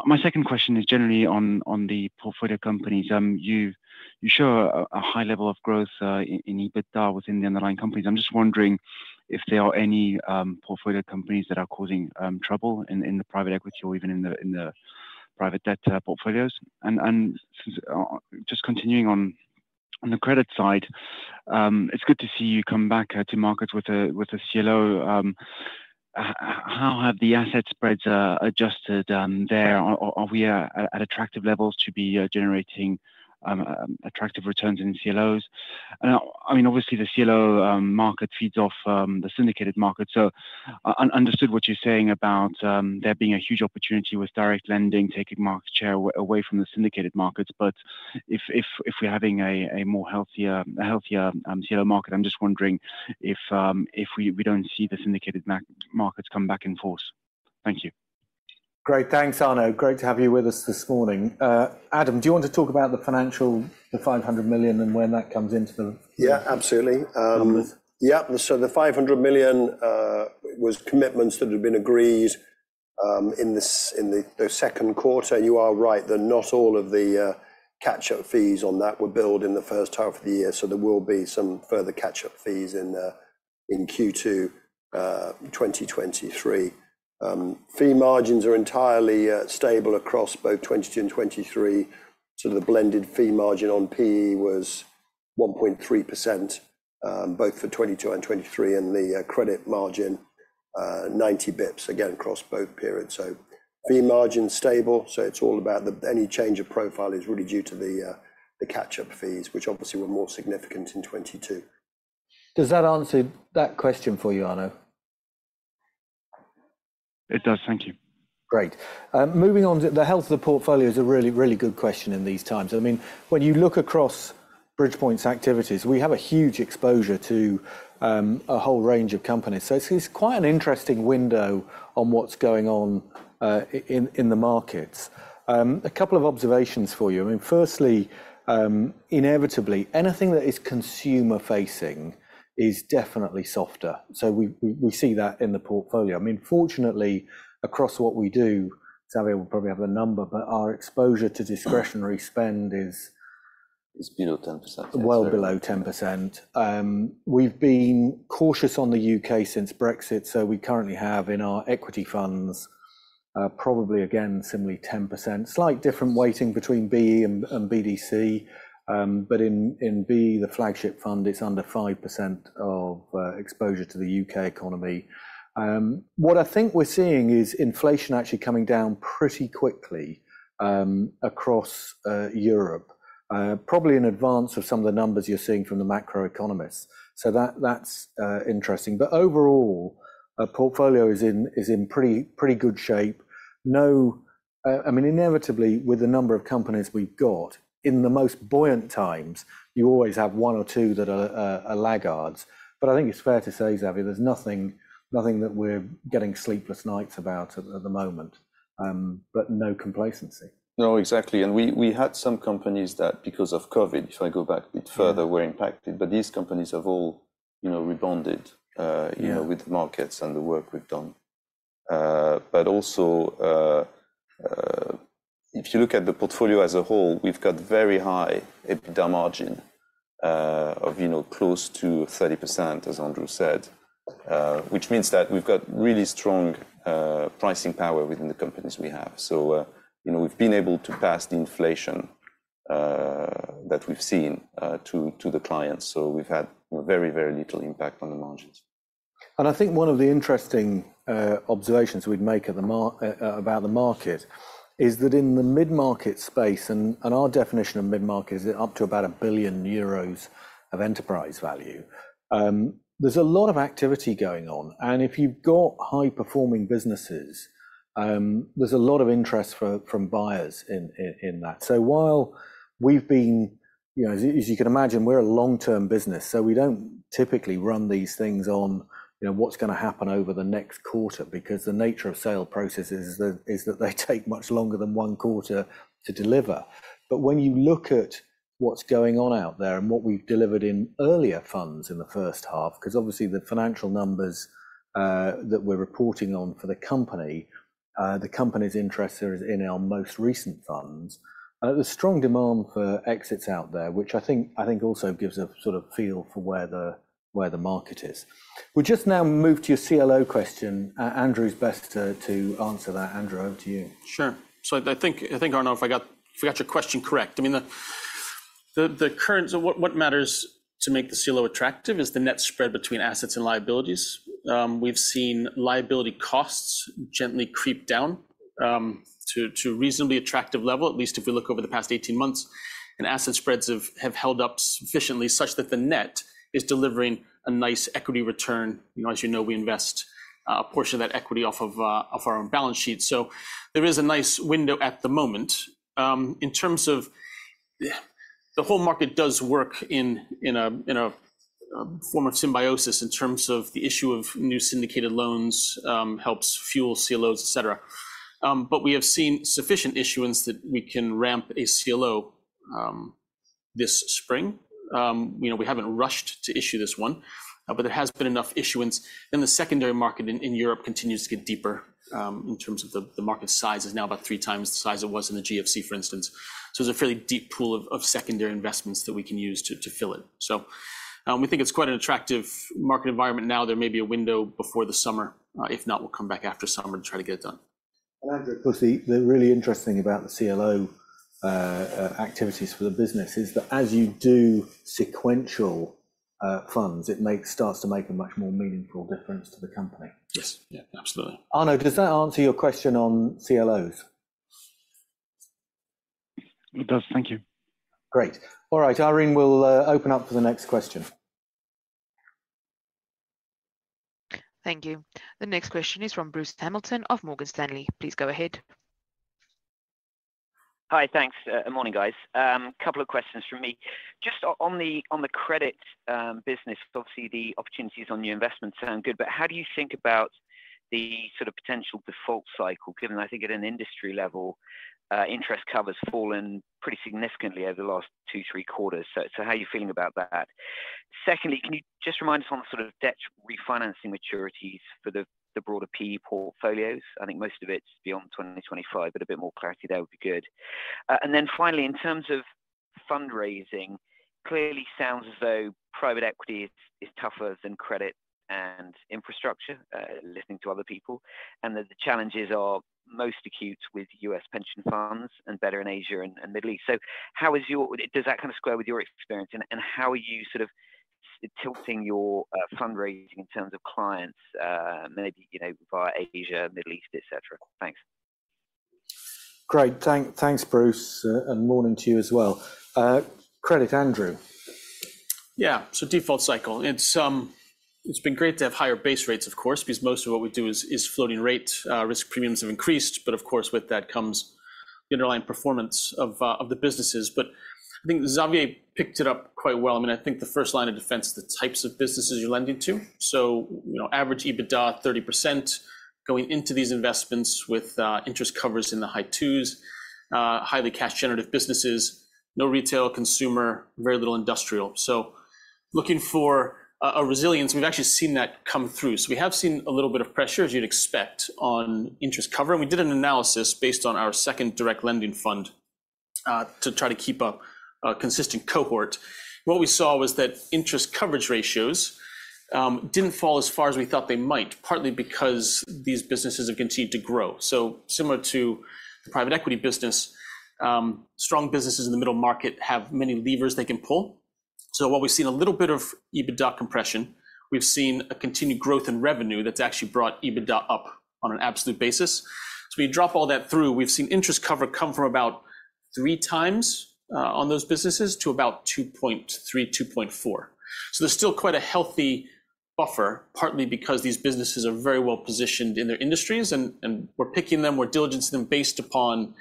[SPEAKER 6] My second question is generally on the portfolio companies. You show a high level of growth in EBITDA within the underlying companies. I'm just wondering if there are any portfolio companies that are causing trouble in the private equity or even in the private debt portfolios? Just continuing on the credit side, it's good to see you come back to market with a CLO. How have the asset spreads adjusted there? Are we at attractive levels to be generating attractive returns in CLOs? I mean, obviously, the CLO market feeds off the syndicated market. Understood what you're saying about there being a huge opportunity with direct lending, taking market share away from the syndicated markets. If we're having a healthier CLO market, I'm just wondering if we don't see the syndicated markets come back in force. Thank you.
[SPEAKER 2] Great. Thanks, Arnaud. Great to have you with us this morning. Adam, do you want to talk about the financial, the 500 million and when that comes into?
[SPEAKER 5] Yeah, absolutely.
[SPEAKER 2] -numbers?
[SPEAKER 5] Yeah. The 500 million was commitments that had been agreed in this, in the second quarter. You are right that not all of the catch-up fees on that were billed in the first half of the year, there will be some further catch-up fees in Q2 2023. Fee margins are entirely stable across both 2022 and 2023. The blended fee margin on P was 1.3%, both for 2022 and 2023, and the credit margin, 90 bips, again, across both periods. Fee margin's stable, it's all about the... Any change of profile is really due to the catch-up fees, which obviously were more significant in 2022.
[SPEAKER 2] Does that answer that question for you, Arnaud?
[SPEAKER 6] It does. Thank you.
[SPEAKER 2] Great. Moving on to the health of the portfolio is a really good question in these times. I mean, when you look across Bridgepoint's activities, we have a huge exposure to a whole range of companies. It's quite an interesting window on what's going on in the markets. A couple of observations for you. I mean, firstly, inevitably, anything that is consumer-facing is definitely softer. We see that in the portfolio. I mean, fortunately, across what we do, Xavier will probably have a number, but our exposure to discretionary spend is-
[SPEAKER 3] It's below 10%.
[SPEAKER 2] Well below 10%. We've been cautious on the UK since Brexit. We currently have in our equity funds, probably again, similarly 10%. Slight different weighting between BE and BDC, but in BE, the flagship fund, it's under 5% of exposure to the UK economy. What I think we're seeing is inflation actually coming down pretty quickly across Europe. Probably in advance of some of the numbers you're seeing from the macroeconomists. That's interesting. Overall, our portfolio is in pretty good shape. I mean, inevitably, with the number of companies we've got, in the most buoyant times, you always have one or two that are laggards. I think it's fair to say, Xavier, there's nothing that we're getting sleepless nights about at the moment. No complacency.
[SPEAKER 3] No, exactly. We had some companies that, because of COVID, if I go back a bit further, were impacted, but these companies have all, you know, rebounded.
[SPEAKER 2] Yeah
[SPEAKER 3] you know, with the markets and the work we've done. But also, if you look at the portfolio as a whole, we've got very high EBITDA margin, of, you know, close to 30%, as Andrew said. Which means that we've got really strong pricing power within the companies we have. So, you know, we've been able to pass the inflation that we've seen to the clients, so we've had very, very little impact on the margins.
[SPEAKER 2] I think one of the interesting observations we'd make about the market, is that in the mid-market space, and our definition of mid-market is up to about 1 billion euros of enterprise value, there's a lot of activity going on, and if you've got high-performing businesses, there's a lot of interest from buyers in that. While we've been... You know, as you can imagine, we're a long-term business, so we don't typically run these things on, you know, what's gonna happen over the next quarter, because the nature of sale processes is that they take much longer than 1 quarter to deliver. When you look at what's going on out there and what we've delivered in earlier funds in the first half, 'cause obviously, the financial numbers that we're reporting on for the company, the company's interest is in our most recent funds. There's strong demand for exits out there, which I think also gives a sort of feel for where the market is. We'll just now move to your CLO question. Andrew is best to answer that. Andrew, over to you.
[SPEAKER 4] Sure. I think, Arno, if I got your question correct, I mean, what matters to make the CLO attractive is the net spread between assets and liabilities. We've seen liability costs gently creep down to a reasonably attractive level, at least if we look over the past 18 months, and asset spreads have held up sufficiently, such that the net is delivering a nice equity return. You know, as you know, we invest a portion of that equity off of our own balance sheet. There is a nice window at the moment. In terms of the whole market does work in a form of symbiosis in terms of the issue of new syndicated loans helps fuel CLOs, et cetera. We have seen sufficient issuance that we can ramp a CLO this spring. You know, we haven't rushed to issue this one, but there has been enough issuance. The secondary market in Europe continues to get deeper, in terms of the market size is now about three times the size it was in the GFC, for instance. There's a fairly deep pool of secondary investments that we can use to fill in. We think it's quite an attractive market environment now. There may be a window before the summer. If not, we'll come back after summer and try to get it done.
[SPEAKER 2] Andrew, of course, the really interesting about the CLO activities for the business is that as you do sequential funds, starts to make a much more meaningful difference to the company.
[SPEAKER 4] Yes. Yeah, absolutely.
[SPEAKER 2] Arno, does that answer your question on CLOs?
[SPEAKER 6] It does. Thank you.
[SPEAKER 2] Great. All right, Irene, we'll open up for the next question.
[SPEAKER 1] Thank you. The next question is from Bruce Hamilton of Morgan Stanley. Please go ahead.
[SPEAKER 7] Hi, thanks. Morning, guys. Couple of questions from me. Just on the credit business, obviously, the opportunities on new investments sound good, but how do you think about the sort of potential default cycle, given, I think at an industry level, interest cover's fallen pretty significantly over the last 2, 3 quarters? How are you feeling about that? Secondly, can you just remind us on the sort of debt refinancing maturities for the broader PE portfolios? I think most of it's beyond 2025, but a bit more clarity there would be good. Then finally, in terms of fundraising, clearly sounds as though private equity is tougher than credit and infrastructure, listening to other people, and that the challenges are most acute with U.S. pension funds and better in Asia and Middle East. Does that kind of square with your experience, and how are you sort of tilting your fundraising in terms of clients, maybe, you know, via Asia, Middle East, et cetera? Thanks.
[SPEAKER 2] Great. Thanks, Bruce, and morning to you as well. Credit, Andrew?
[SPEAKER 4] Default cycle. It's been great to have higher base rates, of course, because most of what we do is floating rate. Risk premiums have increased, but of course, with that comes the underlying performance of the businesses. I think Xavier picked it up quite well. I mean, I think the first line of defense is the types of businesses you're lending to. You know, average EBITDA 30%, going into these investments with interest covers in the high 2s, highly cash generative businesses, no retail, consumer, very little industrial. Looking for a resilience, we've actually seen that come through. We have seen a little bit of pressure, as you'd expect, on interest cover, and we did an analysis based on our second direct lending fund to try to keep a consistent cohort. What we saw was that interest coverage ratios didn't fall as far as we thought they might, partly because these businesses have continued to grow. Similar to the private equity business, strong businesses in the middle market have many levers they can pull. While we've seen a little bit of EBITDA compression, we've seen a continued growth in revenue that's actually brought EBITDA up on an absolute basis. We drop all that through, we've seen interest cover come from about 3 times on those businesses to about 2.3-2.4. There's still quite a healthy buffer, partly because these businesses are very well positioned in their industries, and we're picking them, we're diligencing them based upon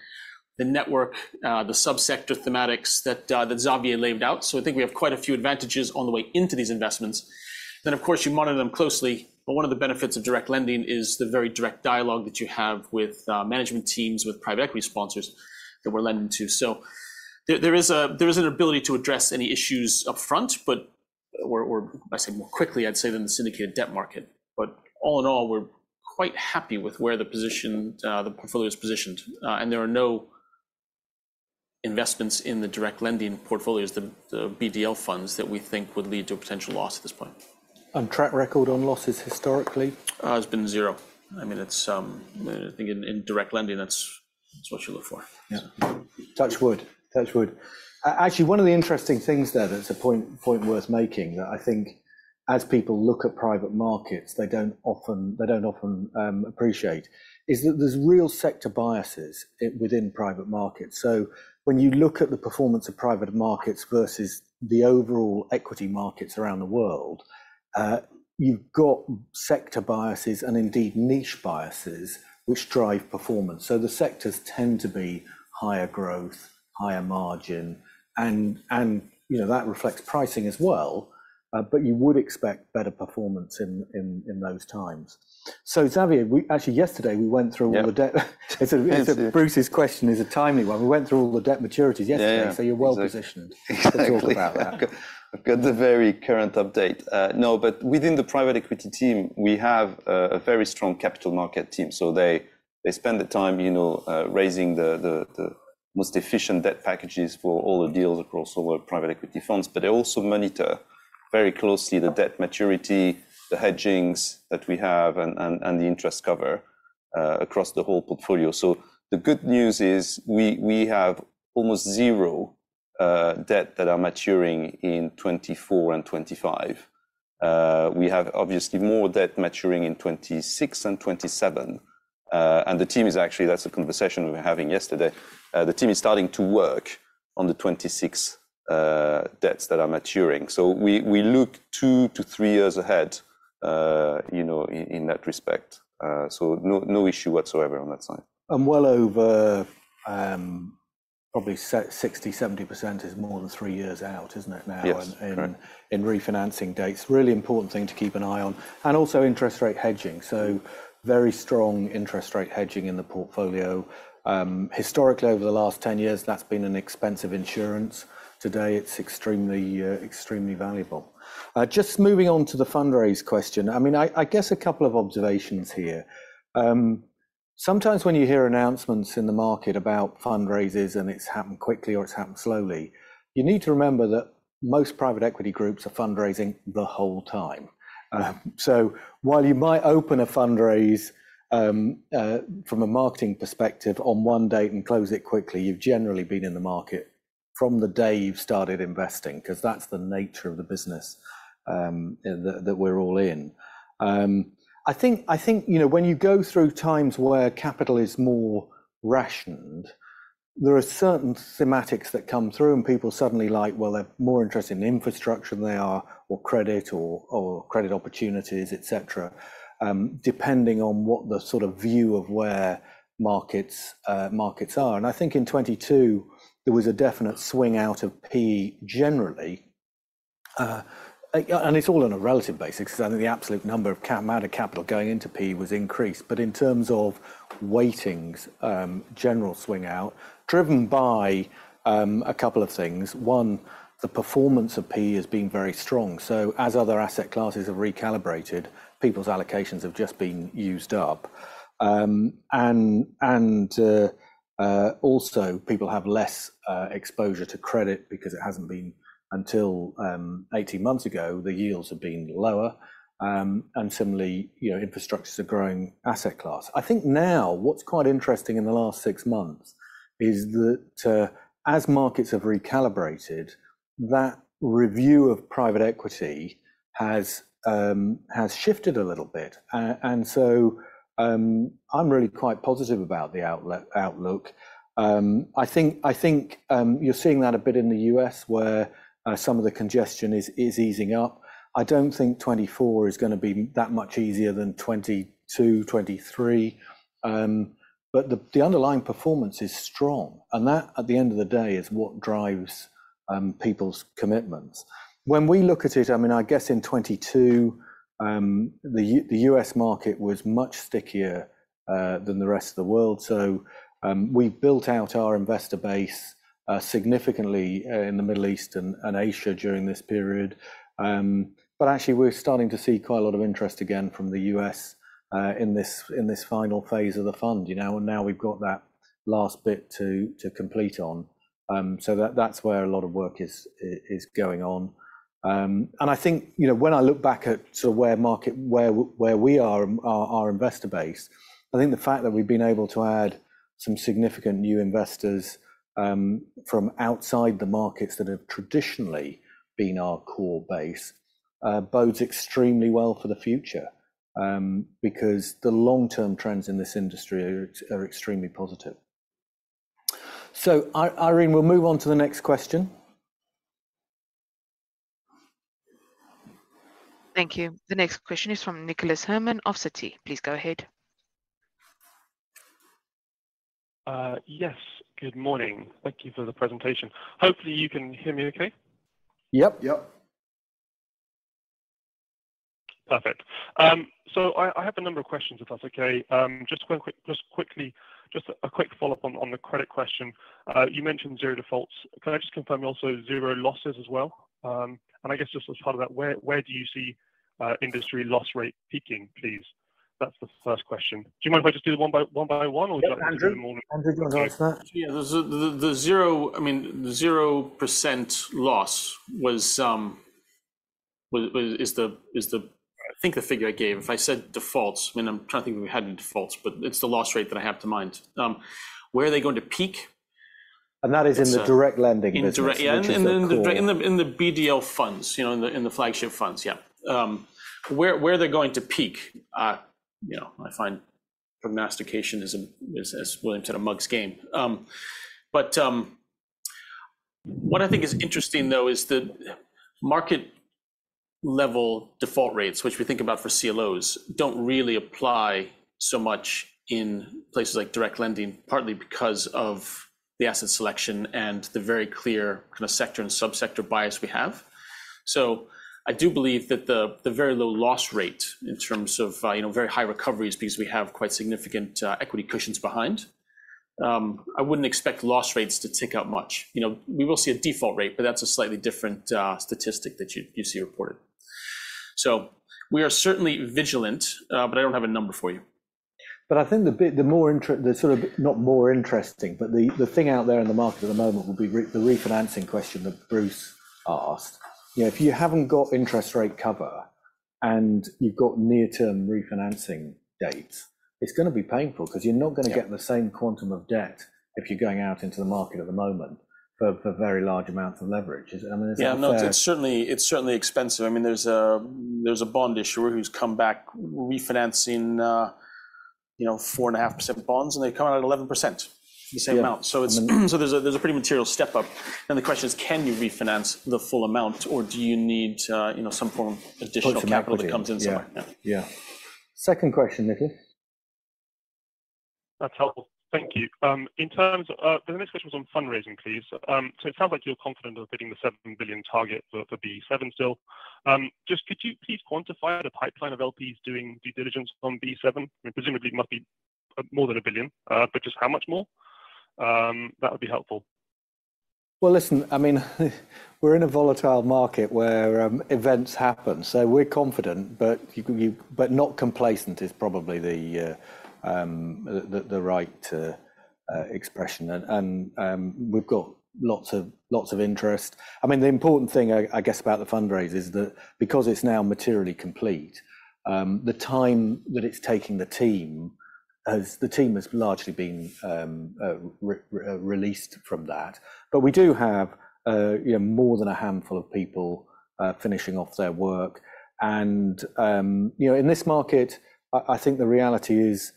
[SPEAKER 4] the network, the subsector thematics that Xavier laid out. I think we have quite a few advantages on the way into these investments. Of course, you monitor them closely, but one of the benefits of direct lending is the very direct dialogue that you have with management teams, with private equity sponsors that we're lending to. There is an ability to address any issues upfront, or I'd say more quickly than the syndicated debt market. All in all, we're quite happy with where the portfolio is positioned, and there are no investments in the direct lending portfolios, the BDL funds, that we think would lead to a potential loss at this point.
[SPEAKER 2] Track record on losses historically?
[SPEAKER 4] Has been zero. I mean, it's, I think in direct lending, that's what you look for.
[SPEAKER 2] Yeah. Touch wood. Touch wood. Actually, one of the interesting things there that's a point worth making, that I think as people look at private markets, they don't often appreciate, is that there's real sector biases within private markets. When you look at the performance of private markets versus the overall equity markets around the world, you've got sector biases, and indeed, niche biases, which drive performance. The sectors tend to be higher growth, higher margin, and, you know, that reflects pricing as well, but you would expect better performance in those times. Xavier, actually, yesterday we went through all the debt.
[SPEAKER 3] Yeah.
[SPEAKER 2] Bruce's question is a timely one. We went through all the debt maturities yesterday.
[SPEAKER 3] Yeah, yeah.
[SPEAKER 2] you're well positioned.
[SPEAKER 3] Exactly.
[SPEAKER 2] to talk about that.
[SPEAKER 3] I've got the very current update. Within the private equity team, we have a very strong capital market team. They spend the time, you know, raising the most efficient debt packages for all the deals across all our private equity funds, but they also monitor very closely the debt maturity, the hedgings that we have, and the interest cover across the whole portfolio. The good news is, we have almost zero debt that are maturing in 2024 and 2025. We have obviously more debt maturing in 2026 and 2027, and the team is actually, that's a conversation we were having yesterday. The team is starting to work on the 2026 debts that are maturing. We look 2-3 years ahead, you know, in that respect. No, no issue whatsoever on that side.
[SPEAKER 2] Well over, probably 60, 70% is more than 3 years out, isn't it now?
[SPEAKER 3] Yes, correct.
[SPEAKER 2] In refinancing dates. Really important thing to keep an eye on, and also interest rate hedging. Very strong interest rate hedging in the portfolio. Historically, over the last 10 years, that's been an expensive insurance. Today, it's extremely valuable. Just moving on to the fundraise question. I mean, I guess a couple of observations here. Sometimes when you hear announcements in the market about fundraisers, and it's happened quickly or it's happened slowly, you need to remember that most private equity groups are fundraising the whole time. While you might open a fundraise from a marketing perspective on 1 date and close it quickly, you've generally been in the market from the day you've started investing, 'cause that's the nature of the business that we're all in. I think, you know, when you go through times where capital is more rationed, there are certain thematics that come through, and people suddenly like, well, they're more interested in infrastructure than they are, or credit, or credit opportunities, et cetera, depending on what the sort of view of where markets are. I think in 22, there was a definite swing out of PE generally. And it's all on a relative basis, 'cause I think the absolute amount of capital going into PE was increased. In terms of weightings, general swing out, driven by a couple of things. One, the performance of PE has been very strong. As other asset classes have recalibrated, people's allocations have just been used up. Also, people have less exposure to credit because it hasn't been until 18 months ago, the yields have been lower. Similarly, you know, infrastructure is a growing asset class. I think now, what's quite interesting in the last 6 months is that as markets have recalibrated, that review of private equity has shifted a little bit. I'm really quite positive about the outlook. I think you're seeing that a bit in the U.S., where some of the congestion is easing up. I don't think 2024 is gonna be that much easier than 2022, 2023. The underlying performance is strong, and that, at the end of the day, is what drives people's commitments. When we look at it, I mean, I guess in 2022, the U.S. market was much stickier than the rest of the world. We've built out our investor base significantly in the Middle East and Asia during this period. Actually, we're starting to see quite a lot of interest again from the U.S. in this, in this final phase of the fund, you know, and now we've got that last bit to complete on. That's where a lot of work is going on. I think, you know, when I look back at sort of where we are and our investor base, I think the fact that we've been able to add some significant new investors, from outside the markets that have traditionally been our core base, bodes extremely well for the future, because the long-term trends in this industry are extremely positive. Irene, we'll move on to the next question.
[SPEAKER 1] Thank you. The next question is from Nicholas Herman of Citi. Please go ahead.
[SPEAKER 8] Yes. Good morning. Thank you for the presentation. Hopefully, you can hear me okay?
[SPEAKER 2] Yep.
[SPEAKER 4] Yep.
[SPEAKER 8] Perfect. I have a number of questions, if that's okay. Just quickly, just a quick follow-up on the credit question. You mentioned 0 defaults. Can I just confirm also 0 losses as well? I guess just as part of that, where do you see industry loss rate peaking, please? That's the first question. Do you mind if I just do it one by one, or would you like them all?
[SPEAKER 2] Yeah, Andrew, go ahead, sir.
[SPEAKER 4] Yeah, I mean, the 0% loss was, is the, I think the figure I gave. If I said defaults, I mean, I'm trying to think if we had any defaults, it's the loss rate that I have to mind. Where are they going to peak?
[SPEAKER 2] That is in the direct lending business.
[SPEAKER 4] In direct,
[SPEAKER 2] which is the core.
[SPEAKER 4] In the BDL funds, you know, in the flagship funds, yeah. Where are they going to peak? You know, I find prognostication is a willing to the mug's game. What I think is interesting though is the market level default rates, which we think about for CLOs, don't really apply so much in places like direct lending, partly because of the asset selection and the very clear kind of sector and subsector bias we have. I do believe that the very low loss rate in terms of, you know, very high recoveries, because we have quite significant equity cushions behind, I wouldn't expect loss rates to tick up much. You know, we will see a default rate, but that's a slightly different statistic that you see reported. We are certainly vigilant, but I don't have a number for you.
[SPEAKER 2] I think the sort of, not more interesting, but the thing out there in the market at the moment will be the refinancing question that Bruce asked. You know, if you haven't got interest rate cover, and you've got near-term refinancing dates, it's gonna be painful 'cause you're not gonna get.
[SPEAKER 4] Yeah...
[SPEAKER 2] the same quantum of debt if you're going out into the market at the moment for very large amounts of leverage. I mean, it's out there.
[SPEAKER 4] Yeah, no, it's certainly, it's certainly expensive. I mean, there's a bond issuer who's come back refinancing, you know, 4.5% bonds. They come out at 11%.
[SPEAKER 2] Yeah
[SPEAKER 4] the same amount. There's a pretty material step up. The question is: Can you refinance the full amount, or do you need, you know, some form of additional capital.
[SPEAKER 2] Additional capital
[SPEAKER 4] that comes in somewhere?
[SPEAKER 2] Yeah, yeah. Second question, Nicky.
[SPEAKER 8] That's helpful. Thank you. The next question was on fundraising, please. It sounds like you're confident of hitting the 7 billion target for BE7 still. Just could you please quantify the pipeline of LPs doing due diligence on BE7? Presumably, it must be, more than 1 billion, but just how much more? That would be helpful.
[SPEAKER 2] Listen, I mean, we're in a volatile market where events happen, so we're confident, not complacent is probably the right expression. We've got lots of interest. I mean, the important thing I guess about the fundraise is that because it's now materially complete, the time that it's taking the team, as the team has largely been released from that. We do have, you know, more than a handful of people finishing off their work. You know, in this market, I think the reality is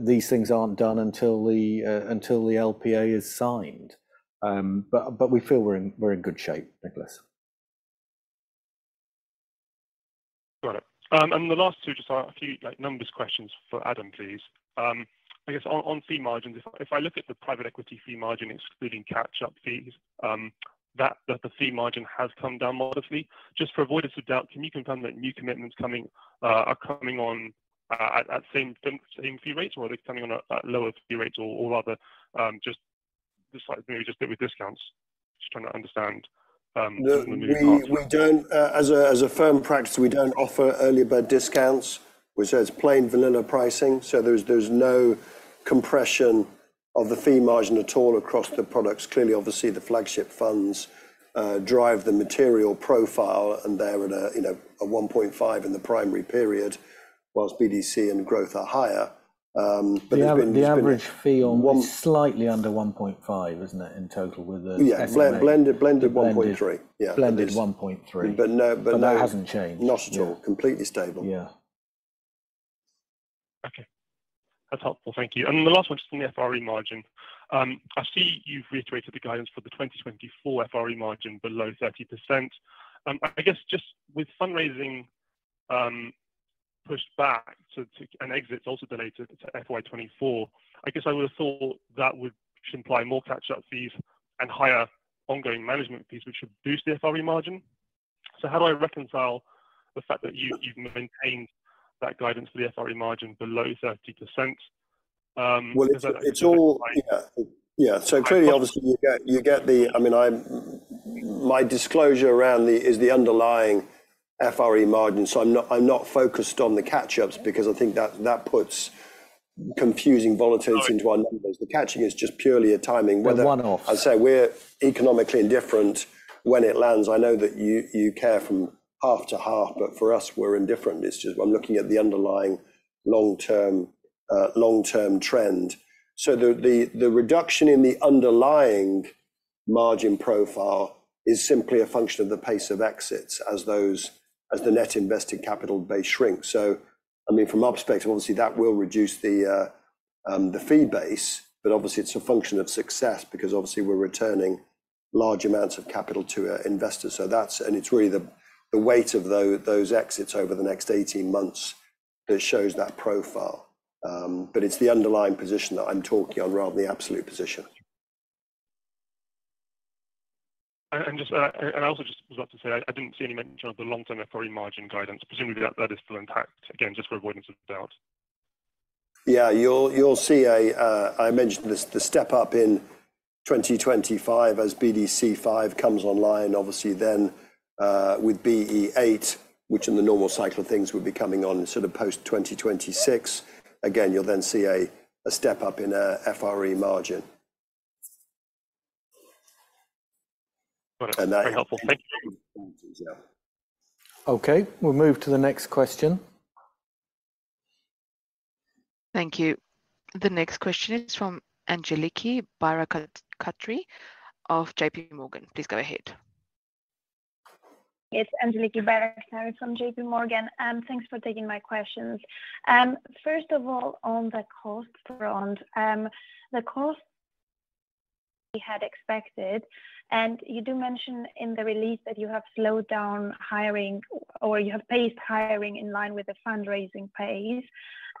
[SPEAKER 2] these things aren't done until the LPA is signed. We feel we're in good shape, Nicholas.
[SPEAKER 8] Got it. The last two, just a few, like, numbers questions for Adam, please. I guess on fee margins, if I look at the private equity fee margin, excluding catch-up fees, the fee margin has come down modestly. Just for avoidance of doubt, can you confirm that new commitments coming are coming on at same fee rates, or are they coming on at lower fee rates or other, just decide maybe just with discounts? Just trying to understand the new margins.
[SPEAKER 5] As a firm practice, we don't offer early bird discounts, which is plain vanilla pricing. There's no compression of the fee margin at all across the products. Clearly, obviously, the flagship funds drive the material profile, and they're at a, you know, a 1.5% in the primary period, whilst BDC and growth are higher. It's been.
[SPEAKER 2] The average fee on was slightly under 1.5%, isn't it, in total with the SMA?
[SPEAKER 5] Yeah, blended 1.3.
[SPEAKER 2] Blended, yeah.
[SPEAKER 5] Blended 1.3.
[SPEAKER 2] No.
[SPEAKER 5] That hasn't changed. Not at all.
[SPEAKER 2] Yeah.
[SPEAKER 5] Completely stable.
[SPEAKER 2] Yeah.
[SPEAKER 8] That's helpful. Thank you. The last one, just on the FRE margin. I see you've reiterated the guidance for the 2024 FRE margin below 30%. I guess just with fundraising pushed back and exits also delayed to FY 2024, I guess I would have thought that would should imply more catch-up fees and higher ongoing management fees, which should boost the FRE margin. How do I reconcile the fact that you've maintained that guidance for the FRE margin below 30%? Is that-
[SPEAKER 5] Well, it's all... Yeah. Yeah. Clearly, obviously, you get I mean, my disclosure around the, is the underlying FRE margin, so I'm not focused on the catch-ups because I think that puts confusing volatility-
[SPEAKER 8] Right
[SPEAKER 5] into our numbers. The catching is just purely a timing, whether-
[SPEAKER 2] A one-off.
[SPEAKER 5] As I say, we're economically indifferent when it lands. I know that you care from half to half, but for us, we're indifferent. It's just I'm looking at the underlying long-term, long-term trend. The reduction in the underlying margin profile is simply a function of the pace of exits as those, as the net invested capital base shrinks. I mean, from our perspective, obviously, that will reduce the fee base, but obviously, it's a function of success because obviously we're returning large amounts of capital to investors. That's and it's really the weight of those exits over the next 18 months that shows that profile. But it's the underlying position that I'm talking on, rather than the absolute position.
[SPEAKER 8] Just, and I also just was about to say, I didn't see any mention of the long-term FRE margin guidance. Presumably, that is still intact. Again, just for avoidance of doubt.
[SPEAKER 5] Yeah, you'll see a, I mentioned this, the step up in 2025 as BDC V comes online. Obviously, with BE VIII, which in the normal cycle of things would be coming on sort of post-2026. Again, you'll then see a step up in FRE margin.
[SPEAKER 8] Wonderful.
[SPEAKER 5] And that-
[SPEAKER 8] Very helpful. Thank you.
[SPEAKER 5] Yeah.
[SPEAKER 2] Okay, we'll move to the next question.
[SPEAKER 1] Thank you. The next question is from Angeliki Bairaktari of JPMorgan. Please go ahead.
[SPEAKER 9] It's Angeliki Bairaktari from JPMorgan. Thanks for taking my questions. First of all, on the cost front, the cost we had expected, and you do mention in the release that you have slowed down hiring or you have paced hiring in line with the fundraising pace.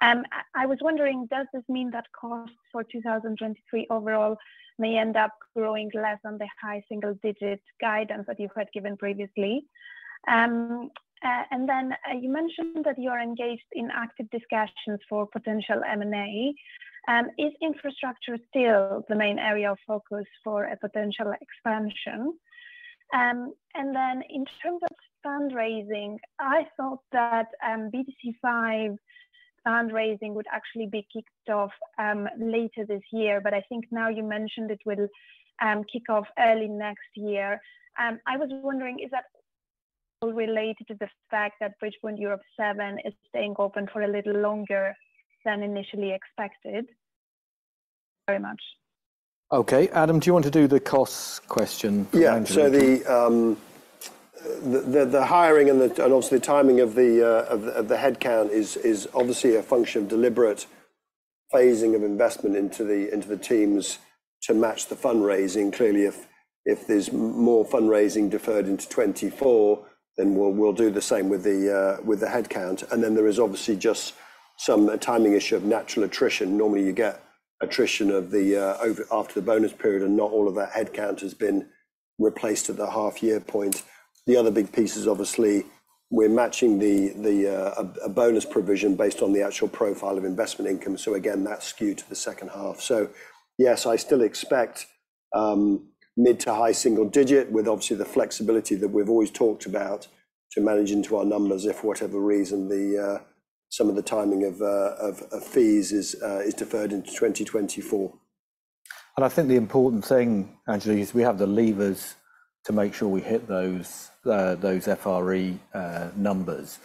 [SPEAKER 9] I was wondering, does this mean that costs for 2023 overall may end up growing less than the high single-digit guidance that you had given previously? You mentioned that you are engaged in active discussions for potential M&A. Is infrastructure still the main area of focus for a potential expansion? In terms of fundraising, I thought that BDC V fundraising would actually be kicked off later this year, I think now you mentioned it will kick off early next year. I was wondering, is that related to the fact that Bridgepoint Europe VII is staying open for a little longer than initially expected? Very much.
[SPEAKER 2] Okay. Adam, do you want to do the costs question for Angeliki?
[SPEAKER 5] Yeah. The hiring and obviously, the timing of the headcount is obviously a function of deliberate phasing of investment into the teams to match the fundraising. Clearly, if there's more fundraising deferred into 2024, then we'll do the same with the headcount. Then there is obviously just some, a timing issue of natural attrition. Normally, you get attrition after the bonus period, and not all of our headcount has been replaced at the half-year point. The other big piece is obviously we're matching the bonus provision based on the actual profile of investment income. Again, that's skewed to the second half. Yes, I still expect, mid to high single digit with obviously the flexibility that we've always talked about to manage into our numbers if for whatever reason, the some of the timing of fees is deferred into 2024. I think the important thing, Angeliki, is we have the levers to make sure we hit those FRE numbers.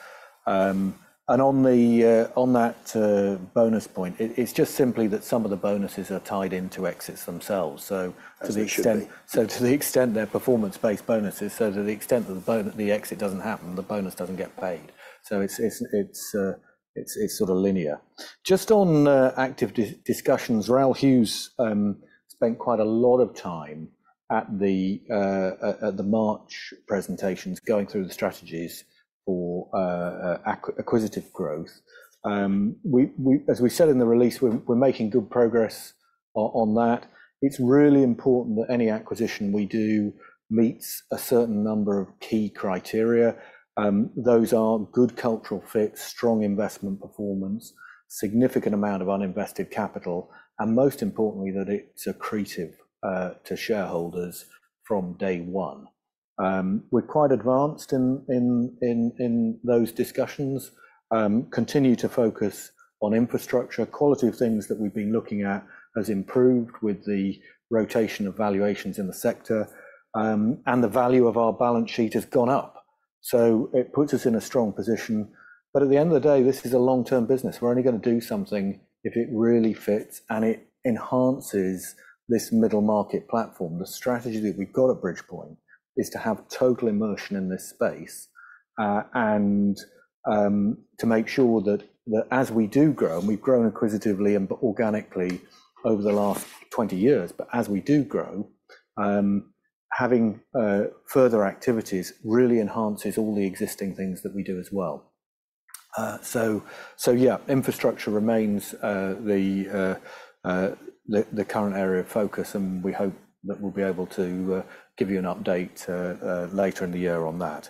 [SPEAKER 5] On the, on that, bonus point, it's just simply that some of the bonuses are tied into exits themselves. To the extent. As it should be. To the extent they're performance-based bonuses, so to the extent that the exit doesn't happen, the bonus doesn't get paid. It's sort of linear. Just on active discussions, Raoul Hughes spent quite a lot of time at the March presentations, going through the strategies for acquisitive growth. We as we said in the release, we're making good progress on that. It's really important that any acquisition we do meets a certain number of key criteria. Those are good cultural fit, strong investment performance, significant amount of uninvested capital, and most importantly, that it's accretive to shareholders from day one. We're quite advanced in those discussions, continue to focus on infrastructure. Quality of things that we've been looking at has improved with the rotation of valuations in the sector, and the value of our balance sheet has gone up. It puts us in a strong position. At the end of the day, this is a long-term business. We're only gonna do something if it really fits, and it enhances this middle market platform. The strategy that we've got at Bridgepoint is to have total immersion in this space, and to make sure that as we do grow, and we've grown acquisitively and organically over the last 20 years, but as we do grow, having further activities really enhances all the existing things that we do as well. Uh, so, so yeah, infrastructure remains, uh, the, uh, uh, the, the current area of focus, and we hope that we'll be able to, uh, give you an update, uh, uh, later in the year on that.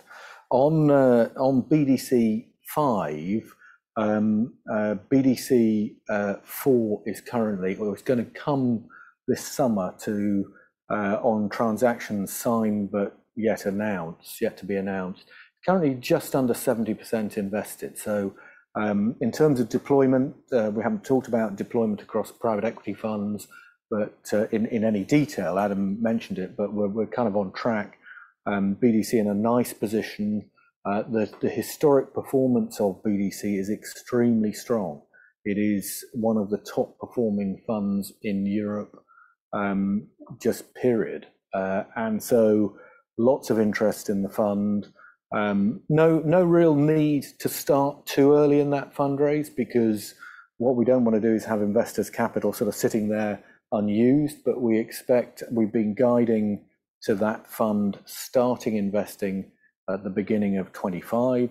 [SPEAKER 5] On, uh, on BDC five, um, uh, BDC, uh, four is currently or it's gonna come this summer to, uh, on transactions signed, but yet announced, yet to be announced. Currently, just under seventy percent invested. So, um, in terms of deployment, uh, we haven't talked about deployment across private equity funds, but, uh, in, in any detail, Adam mentioned it, but we're, we're kind of on track. Um, BDC in a nice position. Uh, the, the historic performance of BDC is extremely strong. It is one of the top-performing funds in Europe, um, just period. Uh, and so lots of interest in the fund. No, no real need to start too early in that fundraise because what we don't wanna do is have investors' capital sort of sitting there unused, but we expect we've been guiding to that fund, starting investing at the beginning of 25,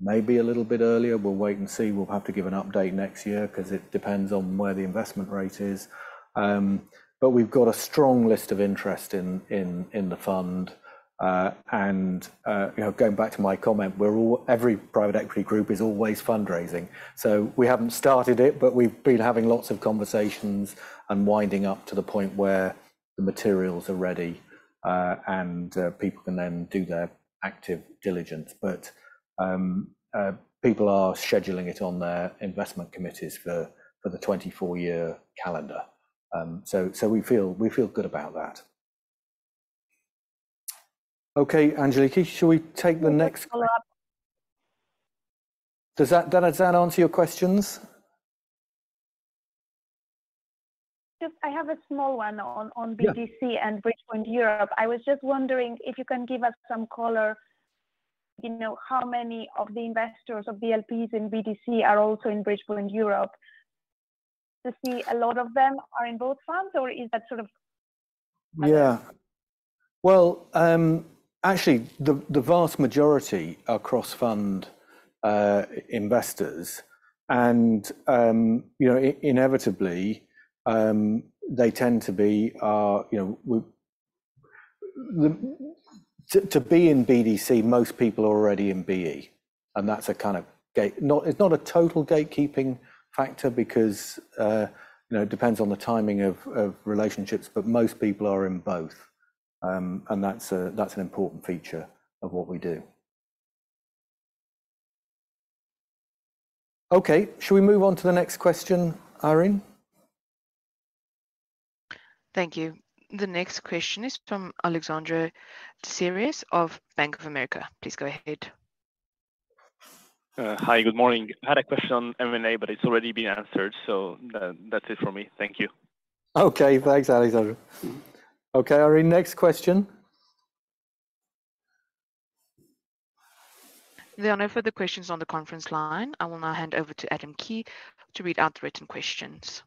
[SPEAKER 5] maybe a little bit earlier. We'll wait and see. We'll have to give an update next year 'cause it depends on where the investment rate is. We've got a strong list of interest in the fund. You know, going back to my comment, every private equity group is always fundraising, so we haven't started it, but we've been having lots of conversations and winding up to the point where the materials are ready, people can then do their active diligence. People are scheduling it on their investment committees for the 2024 year calendar. So we feel good about that. Okay, Angeliki, should we take the next-
[SPEAKER 9] Follow up?
[SPEAKER 5] Does that answer your questions?
[SPEAKER 9] Just I have a small one on.
[SPEAKER 5] Yeah.
[SPEAKER 9] BDC and Bridgepoint Europe. I was just wondering if you can give us some color, you know, how many of the investors of the LPs in BDC are also in Bridgepoint Europe? To see a lot of them are in both funds, or is that sort of-
[SPEAKER 2] Yeah. Well, actually, the vast majority are cross-fund, investors, and, you know, inevitably, they tend to be, you know, To be in BDC, most people are already in BE, and that's a kind of gate. Not, it's not a total gatekeeping factor because, you know, it depends on the timing of relationships, but most people are in both. That's a, that's an important feature of what we do. Okay, should we move on to the next question, Irene?
[SPEAKER 1] Thank you. The next question is from Alexandre Tissieres of Bank of America. Please go ahead.
[SPEAKER 10] Hi, good morning. I had a question on M&A, but it's already been answered, so that's it for me. Thank you.
[SPEAKER 2] Okay. Thanks, Alexandre. Okay, Irene, next question.
[SPEAKER 1] There are no further questions on the conference line. I will now hand over to Adam Key to read out the written questions.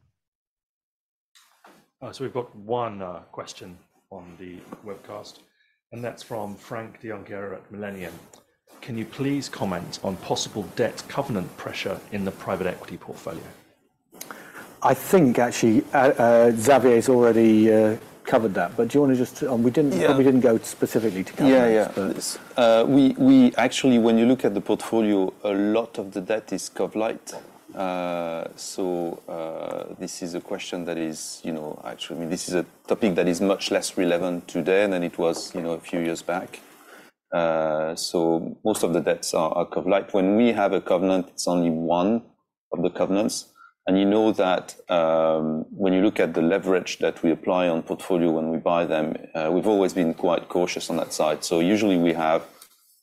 [SPEAKER 1] We've got one question on the webcast, and that's from Frank Dejonckheere at Millennium. Can you please comment on possible debt covenant pressure in the private equity portfolio?
[SPEAKER 2] I think actually, Xavier has already covered that. Do you wanna just.
[SPEAKER 3] Yeah.
[SPEAKER 2] We didn't go specifically to covenants.
[SPEAKER 3] Yeah, yeah. We actually, when you look at the portfolio, a lot of the debt is cov-lite. This is a question that is, you know, actually, I mean, this is a topic that is much less relevant today than it was, you know, a few years back. Most of the debts are cov-lite. When we have a covenant, it's only one of the covenants, and you know that, when you look at the leverage that we apply on portfolio when we buy them, we've always been quite cautious on that side. Usually we have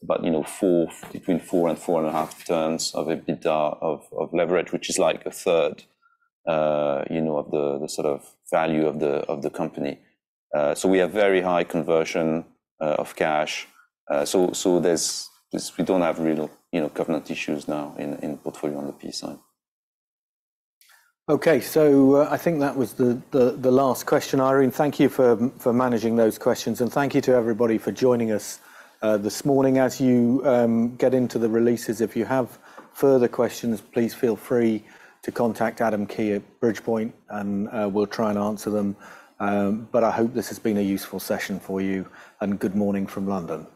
[SPEAKER 3] about, you know, 4, between 4 and 4.5 turns of EBITDA of leverage, which is like a third, you know, of the sort of value of the company. We have very high conversion of cash. We don't have real, you know, covenant issues now in portfolio on the P side.
[SPEAKER 2] I think that was the last question. Irene, thank you for managing those questions, and thank you to everybody for joining us this morning. As you get into the releases, if you have further questions, please feel free to contact Adam Key at Bridgepoint, and we'll try and answer them. I hope this has been a useful session for you, and good morning from London.